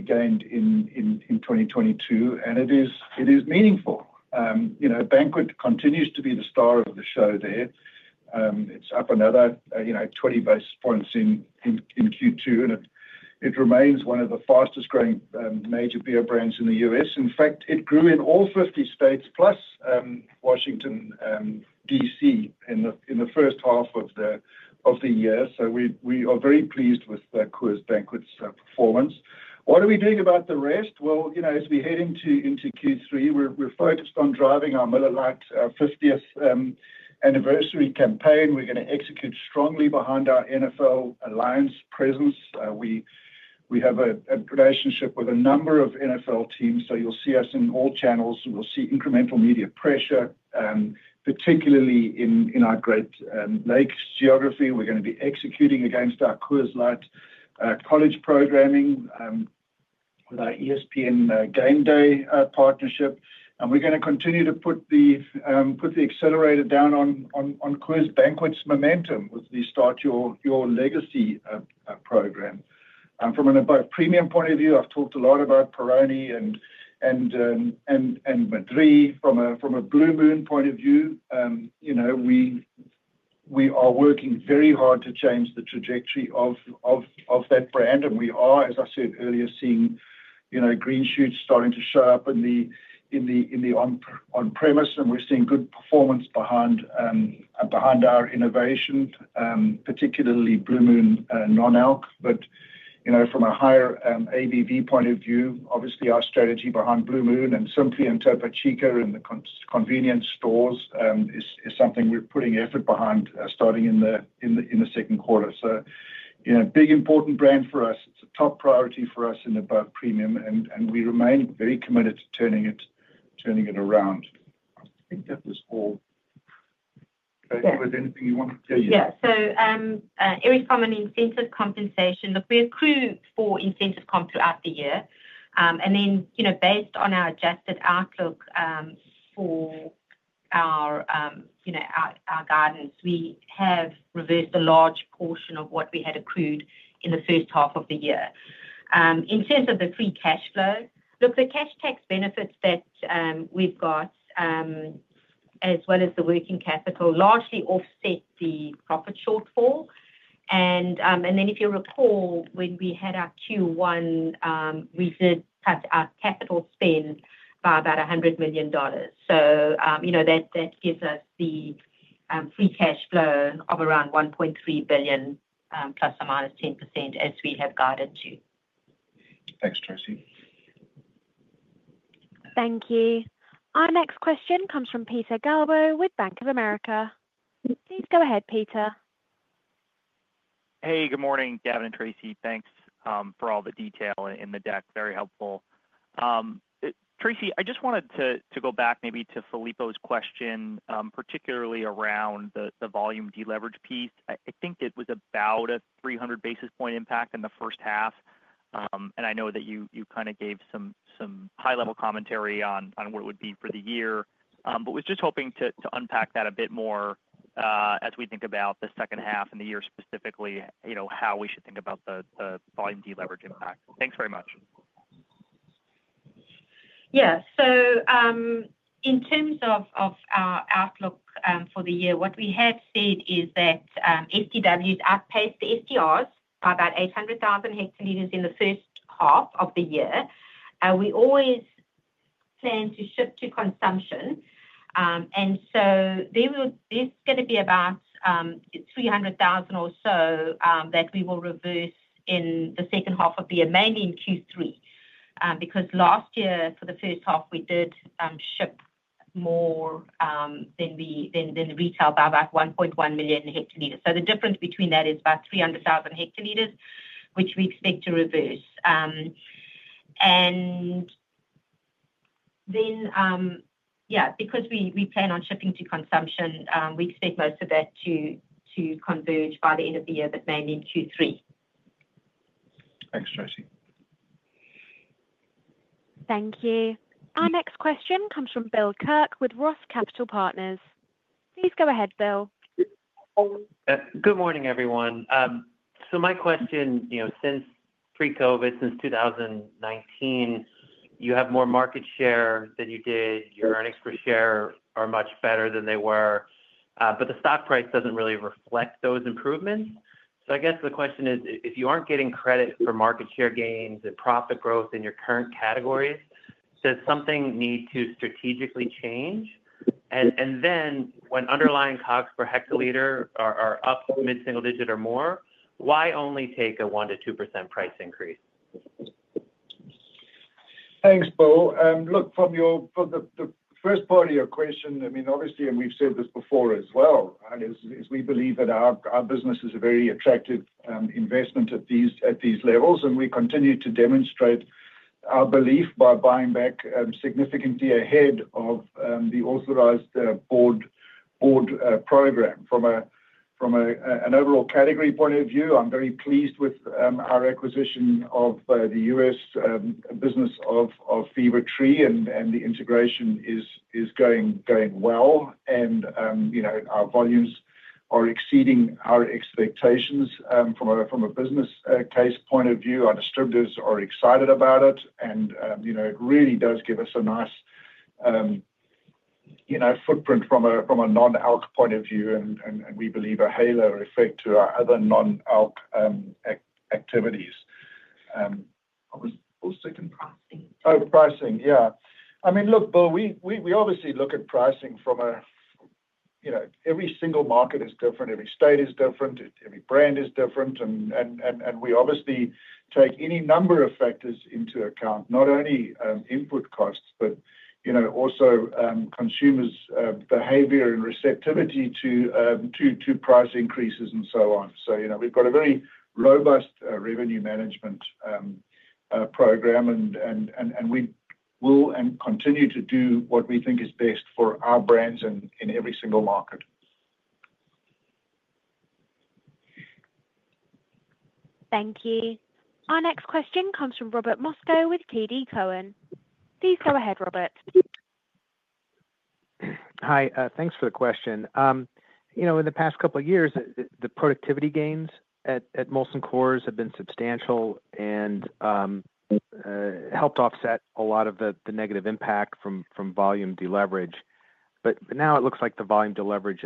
gained in 2022, and it is meaningful. Banquet continues to be the star of the show there. It's up another 20 basis points in Q2, and it remains one of the fastest growing major beer brands in the U.S. In fact, it grew in all 50 states plus Washington, D.C. in the first half of the year. We are very pleased with Coors Banquet's performance. As we head into Q3, we're focused on driving our Miller Lite 50th anniversary campaign. We're going to execute strongly behind our NFL alliance presence. We have a relationship with a number of NFL teams, so you'll see us in all channels. We'll see incremental media pressure, particularly in our Great Lakes geography. We're going to be executing against our Coors Light college programming with our ESPN GameDay partnership, and we're going to continue to put the accelerator down on Coors Banquet's momentum with the Start Your Legacy program. From a premium point of view, I've talked a lot about Peroni and Madrí. From a Blue Moon point of view, we are working very hard to change the trajectory of that brand, and we are, as I said earlier, seeing green shoots starting to show up in the on-premise, and we're seeing good performance behind our innovation, particularly Blue Moon Non-Alc. From a higher-ABV point of view, obviously our strategy behind Blue Moon and Simply and Topo Chico in the convenience stores is something we're putting effort behind starting in the second quarter. Big important brands for us. It's a top priority for us in both premium, and we remain very committed to turning it around. Anything you want to say? Yeah. Eric, common incentive compensation that we accrue for incentive comp throughout the year, and then, you know, based on our adjusted outlook for our, you know, our guidance, we have reversed a large portion of what we had accrued in the first half of the year in terms of the free cash flow. Look, the cash tax benefits that we've got as well as the working capital largely offset the profit shortfall. If you recall when we had our Q1, we did cut our capital spend by about $100 million. You know that gives us the free cash flow of around $1.3 billion plus or minus 10% as we have guided to. Thanks, Tracey. Thank you. Our next question comes from Peter Thomas Galbo with BofA Securities. Please go ahead, Peter. Hey, good morning Gavin and Tracey. Thanks for all the detail in the deck. Very helpful. Tracey, I just wanted to go back maybe to Filippo's question, particularly around the volume deleverage piece. I think it was about a 300 basis point impact in the first half and I know that you kind of gave some high level commentary on what it would be for the year, but was just hoping to unpack that a bit more as we think about the second half and the year. Specifically how we should think about the volume deleverage impact. Thanks very much. Yeah, so in terms of our outlook for the year, what we have said is that SDWs outpaced the FTRs by about 800,000 hectoliters in the first half of the year. We always plan to shift to consumption, and so there's going to be about 300,000 or so that we will reverse in the second half of the year, mainly in Q3 because last year for the first half we did ship more than we then retail by about 1.1 million hectoliters. The difference between that is about 300,000 hectoliters, which we expect to reverse. Because we plan on shifting to consumption, we expect most of that to converge by the end of the year, but mainly in Q3. Thanks, Tracy. Thank you. Our next question comes from William Joseph Kirk with ROTH Capital Partners. Please go ahead, Bill. Good morning everyone. My question, since pre-COVID, since 2019, you have more market share than you did. Your earnings per share are much better than they were, but the stock price doesn't really reflect those improvements. I guess the question is if you aren't getting credit for market share gains and profit growth in your current categories, does something need to strategically change? When underlying COGS per hectoliter are up mid single digit or more, why only take a 1 to 2% price increase? Thanks, Paul. Look, from your first part of your question, I mean obviously, and we've said this before as well, we believe that our business is a very attractive investment at these levels, and we continue to demonstrate our belief by buying back significantly ahead of the authorized board program. From an overall category point of view, I'm very pleased with our acquisition of the U.S. business of Fever-Tree, and the integration is going well, and our volumes are exceeding our expectations from a business case point of view. Our distributors are excited about it, and it really does give us a nice footprint from a non-alc point of view, and we believe a halo effect to our other non-alc activities. I was all sick and pricing out of pricing. Yeah, I mean look, Bill, we obviously look at pricing from a—every single market is different, every state is different, every brand is different. We obviously take any number of factors into account, not only input cost but, you know, also consumers' behavior and receptivity to price increases and so on. We've got a very robust revenue management program, and we will and continue to do what we think is best for our brands and in every single market. Thank you. Our next question comes from Robert Moskow with TD Cowen. Please go ahead. Robert. Hi, thanks for the question. In the past couple of years the productivity gains at Molson Coors have been substantial and helped offset a lot of the negative impact from volume deleverage. Now it looks like the volume deleverage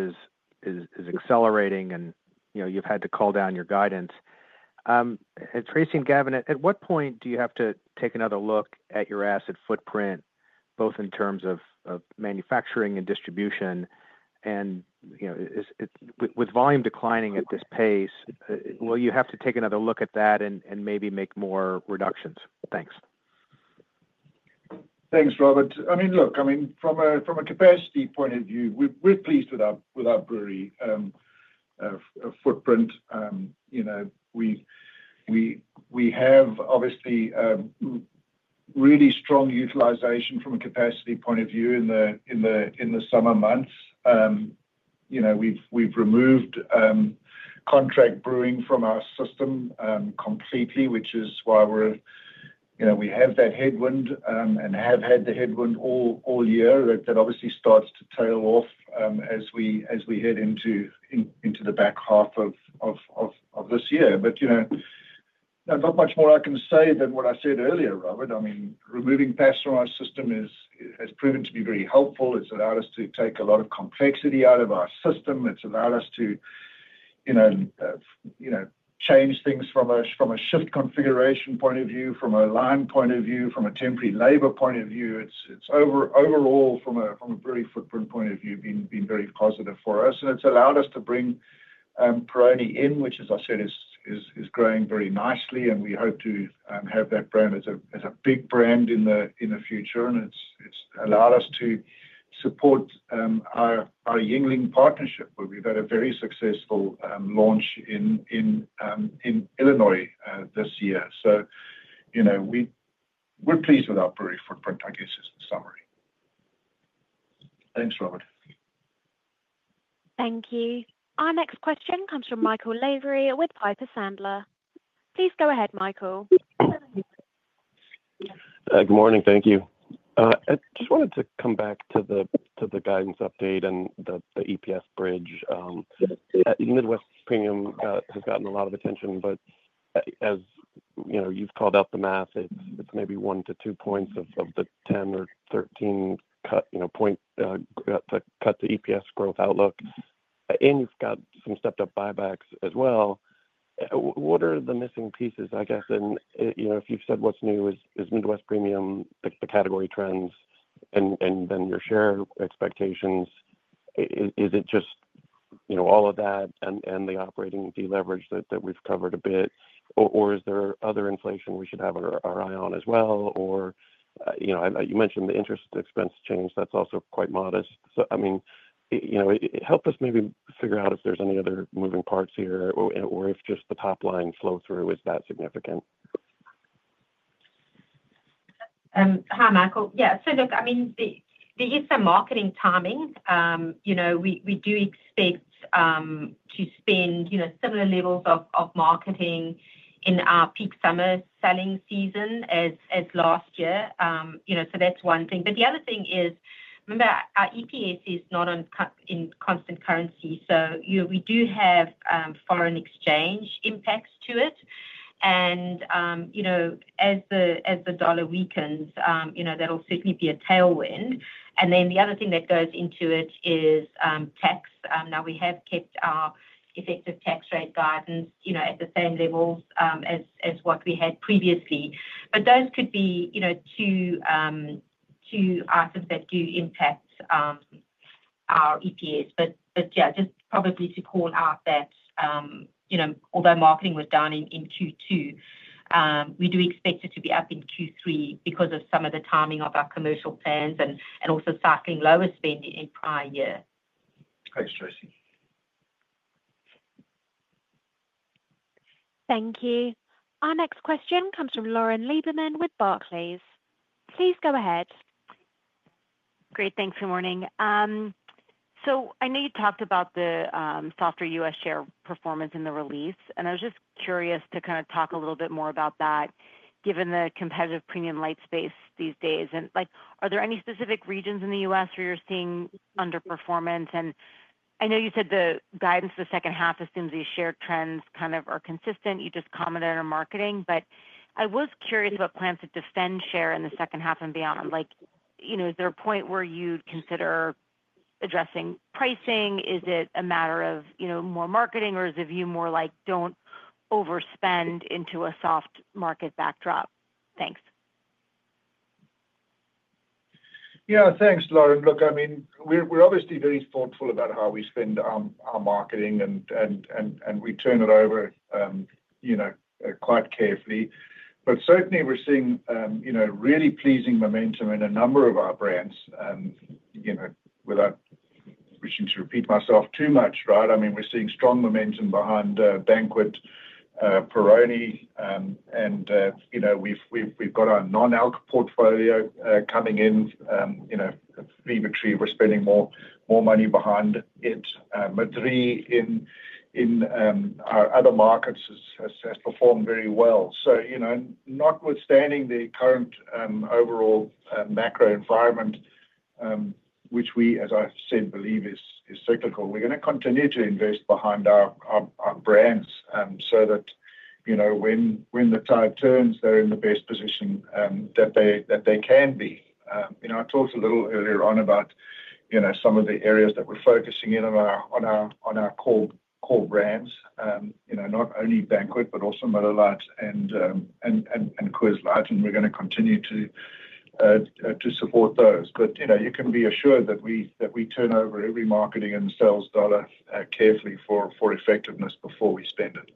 is accelerating, and you've had to call down your guidance, Tracey. Gavin, at what point do you have to take another look at your asset footprint both in terms of manufacturing and distribution, and is it with volume declining at this pace, will you have to take another look at that and maybe make more reductions? Thanks. Thanks, Robert. From a capacity point of view, we're pleased with our brewery footprint. We have obviously really strong utilization from a capacity point of view. In the summer months, we've removed contract brewing from our system completely, which is why we have that headwind and have had the headwind all year. That obviously starts to tail off as we head into the back half of this year. Not much more I can say than what I said earlier, Robert. Removing contract brewing from our system has proven to be very helpful. It's allowed us to take a lot of complexity out of our system. It's allowed us to change things from a shift configuration point of view, from a line point of view, from a temp free labor point of view. Overall, from a brewery footprint point of view, it's been very positive for us and it's allowed us to bring Peroni in, which, as I said, is growing very nicely. We hope to have that brand as a big brand in the future. It's allowed us to support our Yuengling partnership, where we've had a very successful launch in Illinois this year. We're pleased with our brewery footprint ideas summary. Thanks Robert. Thank you. Our next question comes from Michael Scott Lavery with Piper Sandler & Co. Please go ahead. Michael. Good morning. Thank you. I just wanted to come back to the guidance update and the EPS bridge. Midwest Premium has gotten a lot of attention, but as you've called out, the math, it's maybe 1% to 2% of the 10% or 13% cut to EPS growth outlook, and you've got some stepped up buybacks as well. What are the missing pieces? I guess if you've said what's new is Midwest Premium, the category trends, and then your share expectations, is it just all of that and the operating deleverage that we've covered a bit, or is there other inflation we should have our eye on as well? You mentioned the interest expense change that's also quite modest. I mean, help us maybe figure out if there's any other moving parts here or if just the top line flow through is that significant. Hi Michael. Yeah, so look, there is some marketing timing. We do expect to spend similar levels of marketing in our peak summer selling season as last year. That's one thing. The other thing is remember our EPS is not in constant currency, so we do have foreign exchange impacts to it. As the dollar weakens, that'll certainly be a tailwind. The other thing that goes into it is tax. We have kept our effective tax rate guidance at the same level as what we had previously, but those could be two items that do impact our EPS. Just probably to call out that, although marketing was down in Q2, we do expect it to be up in Q3 because of some of the timing of our commercial plans and also cycling lower spending in prior year. Thanks Tracey. Thank you. Our next question comes from Lauren Rae Lieberman with Barclays Bank PLC. Please go ahead. Great, thanks. Good morning. I know you talked about the softer U.S. share performance in the release. I was just curious to kind of talk a little bit more about that, given the competitive premium light space these days. Are there any specific regions in the U.S. where you're seeing underperformance? I know you said the guidance for the second half assumes these share trends kind of are consistent. You just commented on marketing. I was curious about plans to defend share in the second half and beyond. Is there a point where you'd consider addressing pricing? Is it a matter of more marketing or is the view more like don't overspend into a soft market backdrop? Thanks. Yeah, thanks, Lauren. Look, I mean, we're obviously very thoughtful about how we spend our marketing and we turn it over quite carefully, but certainly we're seeing really pleasing momentum in a number of our brands. Without wishing to repeat myself too much. Right. I mean, we're seeing strong momentum behind Coors Banquet, Peroni, and we've got our non-alc portfolio coming in. We're spending more money behind it. Madrí Excepcional in our other markets has performed very well. Notwithstanding the current overall macro environment, which we, as I said, believe is cyclical, we're going to continue to invest behind our brands so that, you know, when the tide turns, they're in the best position that they can be. I talked a little earlier on about some of the areas that we're focusing in on. Our so-called power brands, you know, not only Coors Banquet, but also Miller Lite and Coors Light. We're going to continue to support those. You can be assured that we turn over every marketing and sales dollar carefully for effectiveness before we spend it.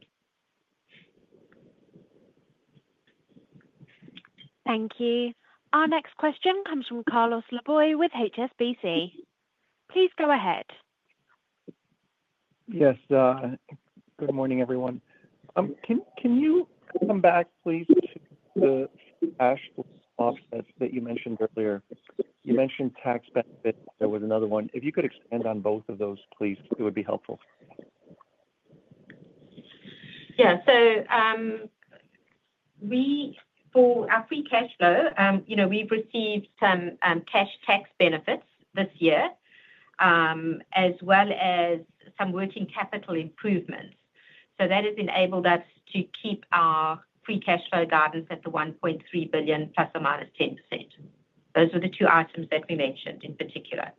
Thank you. Our next question comes from Carlos Alberto Laboy with HSBC Global Investment Research. Please go ahead. Yes, good morning, everyone. Can you come back, please, to the cash offset that you mentioned earlier? You mentioned tax benefit. There was another one. If you could expand on both of those, please. It would be helpful. Yeah. For our free cash flow, you know, we've received some cash tax benefits this year as well as some working capital improvements. That has enabled us to keep our free cash flow guidance at the $1.3 billion plus or minus 10%. Those are the two items that we mentioned in particular.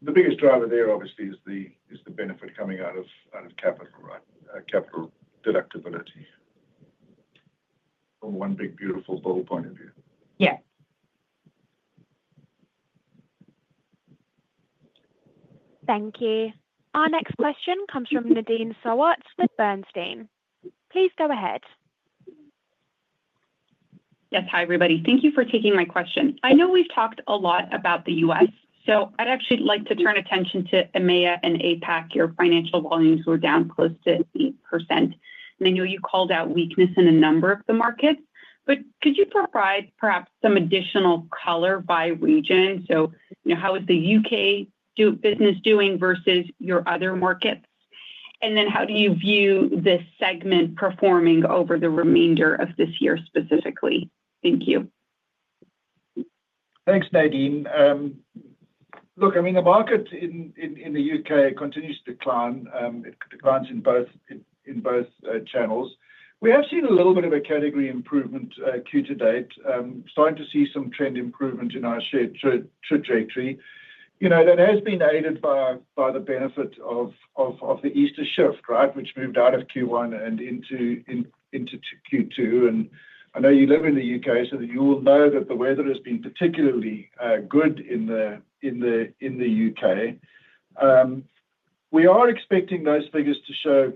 The biggest driver there, obviously, is the benefit coming out of capital. Right. Capital deductibility from one big, beautiful bullet point of view. Yeah. Thank you. Our next question comes from Nadine Sarwat with Sanford C. Bernstein & Co. Please go ahead. Yes. Hi, everybody. Thank you for taking my question. I know we've talked a lot about the U.S. so I'd actually like to turn attention to EMEA and APAC. Your financial volumes were down close to, and I know you called out weakness in a number of the markets, but could you provide perhaps some additional color by region? You know, how is the UK business doing versus your other markets? How do you view this segment performing over the remainder of this year specifically? Thank you. Thanks, Nadine. Look, I mean the market in the UK continues to decline. Declines in both channels. We have seen a little bit of a category improvement, Q to date, starting to see some trend improvement in our share trajectory. That has been aided by the benefit of the Easter shift, which moved out of Q1 and into Q2. I know you live in the UK, so you will know that the weather has been particularly good in the UK. We are expecting those figures to show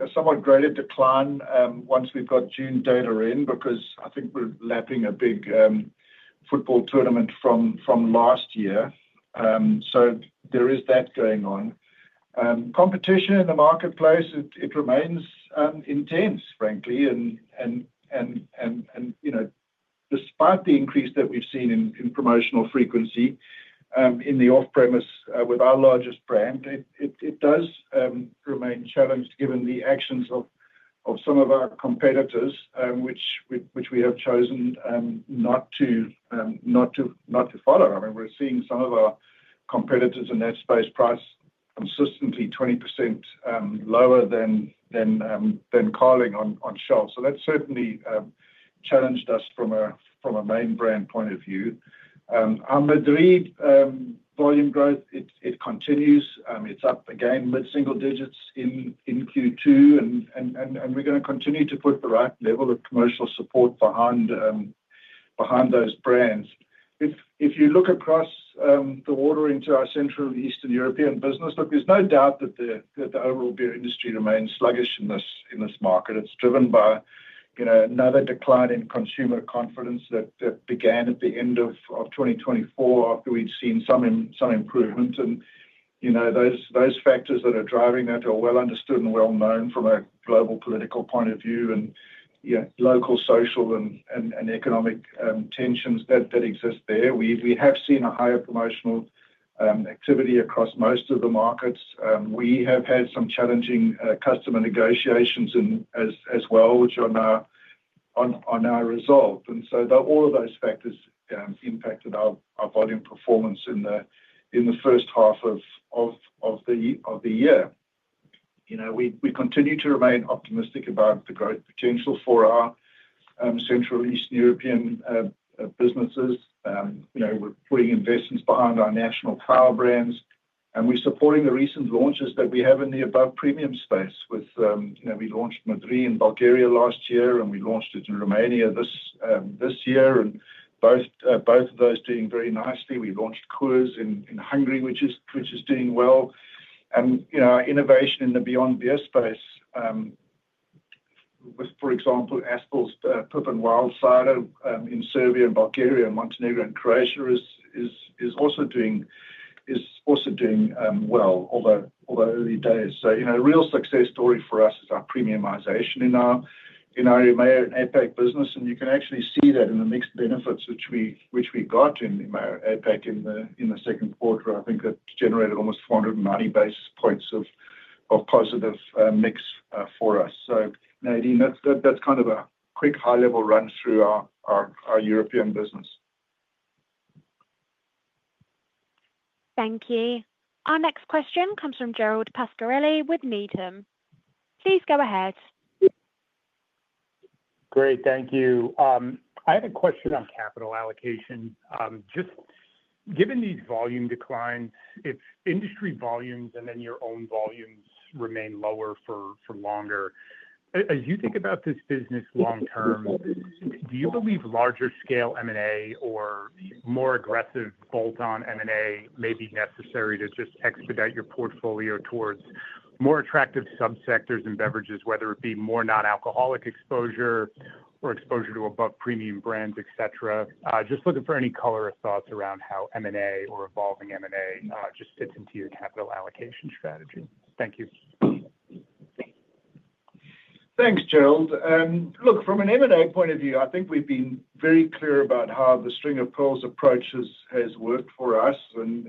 a somewhat greater decline once we've got June data in because I think we're lapping a big football tournament from last year. There is that going on. Competition in the marketplace remains intense, frankly. Despite the increase that we've seen in promotional frequency in the off-premise with our largest brand, it does remain challenged given the actions of some of our competitors, which we have chosen not to follow. We're seeing some of our competitors in that space price consistently 20% lower than Carling on shelf. That certainly challenged us from a main brand point of view. On the dry volume growth, it continues, it's up again mid-single digits in Q2, and we're going to continue to put the right level of commercial support behind those brands. If you look across the water into our Central Eastern European business, there's no doubt that the overall beer industry remains sluggish in this market. It's driven by another decline in consumer confidence that began at the end of 2024. We'd seen some improvement, and those factors that are driving that are well understood and well known from a global political point of view and local social and economic tensions that exist there. We have seen higher promotional activity across most of the markets. We have had some challenging customer negotiations as well, which are now in our result. All of those factors impacted our volume performance in the first half of the year. We continue to remain optimistic about the growth potential for our Central Eastern European businesses. We're putting investments behind our national power brands, and we're supporting the recent launches that we have in the above premium space. We launched Madrí Excepcional in Bulgaria last year, and we launched it in Romania this year, and both of those are doing very nicely. We launched Ožujsko in Hungary, which is doing well. Innovation in the beyond beer space with, for example, Aspall's Poppin Wild Cider in Serbia, Bulgaria, Montenegro, and Croatia is also doing well over the early days. A real success story for us is our premiumization in our APAC business. You can actually see that in the mix benefits which we got in May and back in the second quarter. I think it generated almost 490 basis points of positive mix for us. Nadine, that's kind of a quick high-level run through our European business. Thank you. Our next question comes from Gerald John Pascarelli with Needham & Company. Please go ahead. Great, thank you. I have a question on capital allocation. Just given these volume declines, it's industry volumes and then your own volumes remain lower for longer. As you think about this business long term, do you believe larger scale M&A or more aggressive bolt-on M&A may be necessary to just expedite your portfolio towards more attractive subsectors and beverages, whether it be more non-alcoholic exposure or exposure to above premium brands, etc.? Just looking for any color or thoughts around how M&A or evolving M&A just fits into your capital allocation strategy. Thank you. Thanks, Gerald. Look, from an M&A point of view, I think we've been very clear about how the string of pearls approach has worked for us. In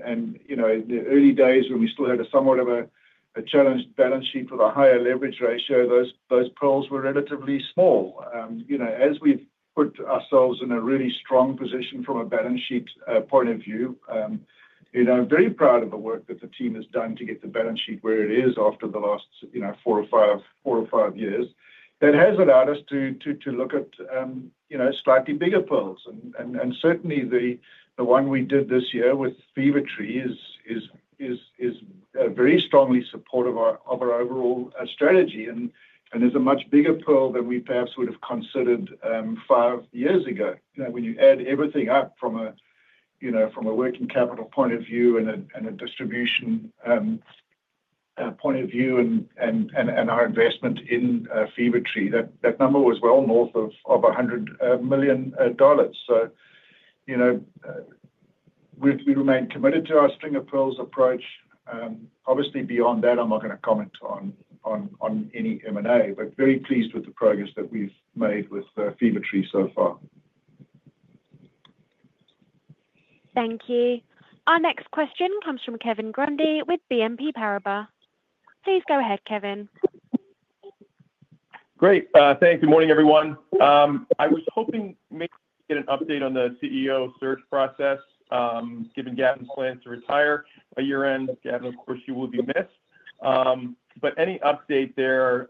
the early days when we still had somewhat of a challenged balance sheet with a higher leverage ratio, those pearls were relatively small. As we've put ourselves in a really strong position from a balance sheet point of view, I'm very proud of the work that the team has done to get the balance sheet where it is. After the last four or five years, that has allowed us to look at slightly bigger pearls. Certainly the one we did this year with Fever-Tree is very strongly supportive of our overall strategy and is a much bigger pearl than we perhaps would have considered five years ago. When you add everything up from a working capital point of view and a distribution point of view, and our investment in Fever-Tree, that number was well north of $100 million. We remain committed to our string of pearls approach. Obviously beyond that, I'm not going to comment on any M&A, but very pleased with the progress that we've made with Fever-Tree so far. Thank you. Our next question comes from Kevin Michael Grundy with BNP Paribas Exane. Please go ahead, Kevin. Great, thanks. Good morning everyone. I was hoping to get an update on the CEO search process given Gavin plans to retire by year end. Gavin, of course you will be missed, but any update there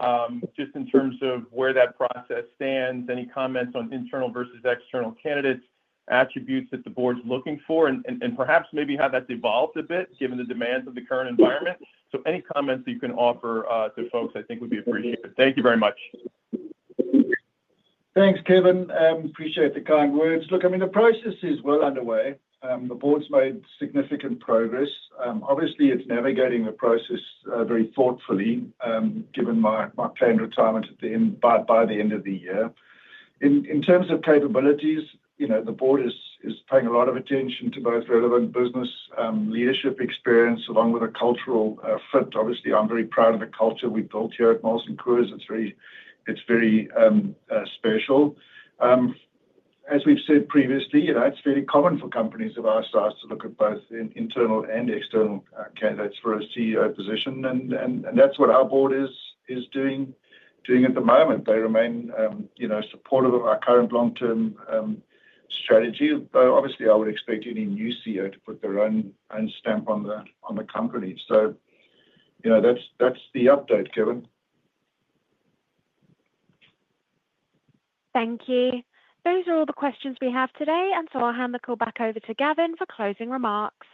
just in terms of where that process is. Any comments on internal vs. external candidates, attributes that the board's looking for, and perhaps maybe have that evolved a bit given the demands of the current environment. Any comments that you can offer to folks I think would be appreciated. Thank you very much. Thanks, Kevin. Appreciate the kind words. Look, the process is well underway. The board's made significant progress. Obviously, it's navigating a process very thoughtfully given my planned retirement by the end of the year. In terms of capabilities, the board is paying a lot of attention to both relevant business leadership experience along with a cultural fit. Obviously, I'm very proud of the culture we built here at Molson Coors. It's very, it's very special. As we've said previously, it's very common for companies of our size to look at both internal and external candidates for a CEO position. That's what our board is doing at the moment. They remain supportive of our current long term strategy, but obviously I would expect any new CEO to put their own stamp on the company. That's the update, Kevin. Thank you. Those are all the questions we have today, and I'll hand the call back over to Gavin for closing remarks.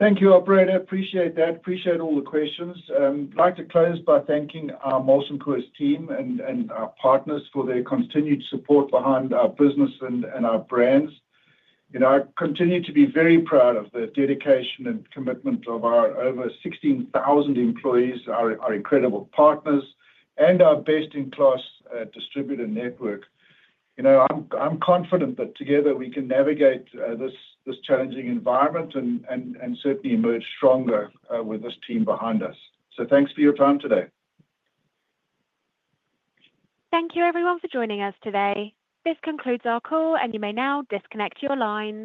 Thank you, operator. Appreciate that. Appreciate all the questions. I'd like to close by thanking our Molson Coors team and our partners for their continued support behind our business and our brands. I continue to be very proud of the dedication and commitment of our over 16,000 employees, our incredible partners, and our best-in-class distributor network. I'm confident that together we can navigate this challenging environment and certainly emerge stronger with this team behind us. Thanks for your time today. Thank you everyone for joining us today. This concludes our call, and you may now disconnect your line.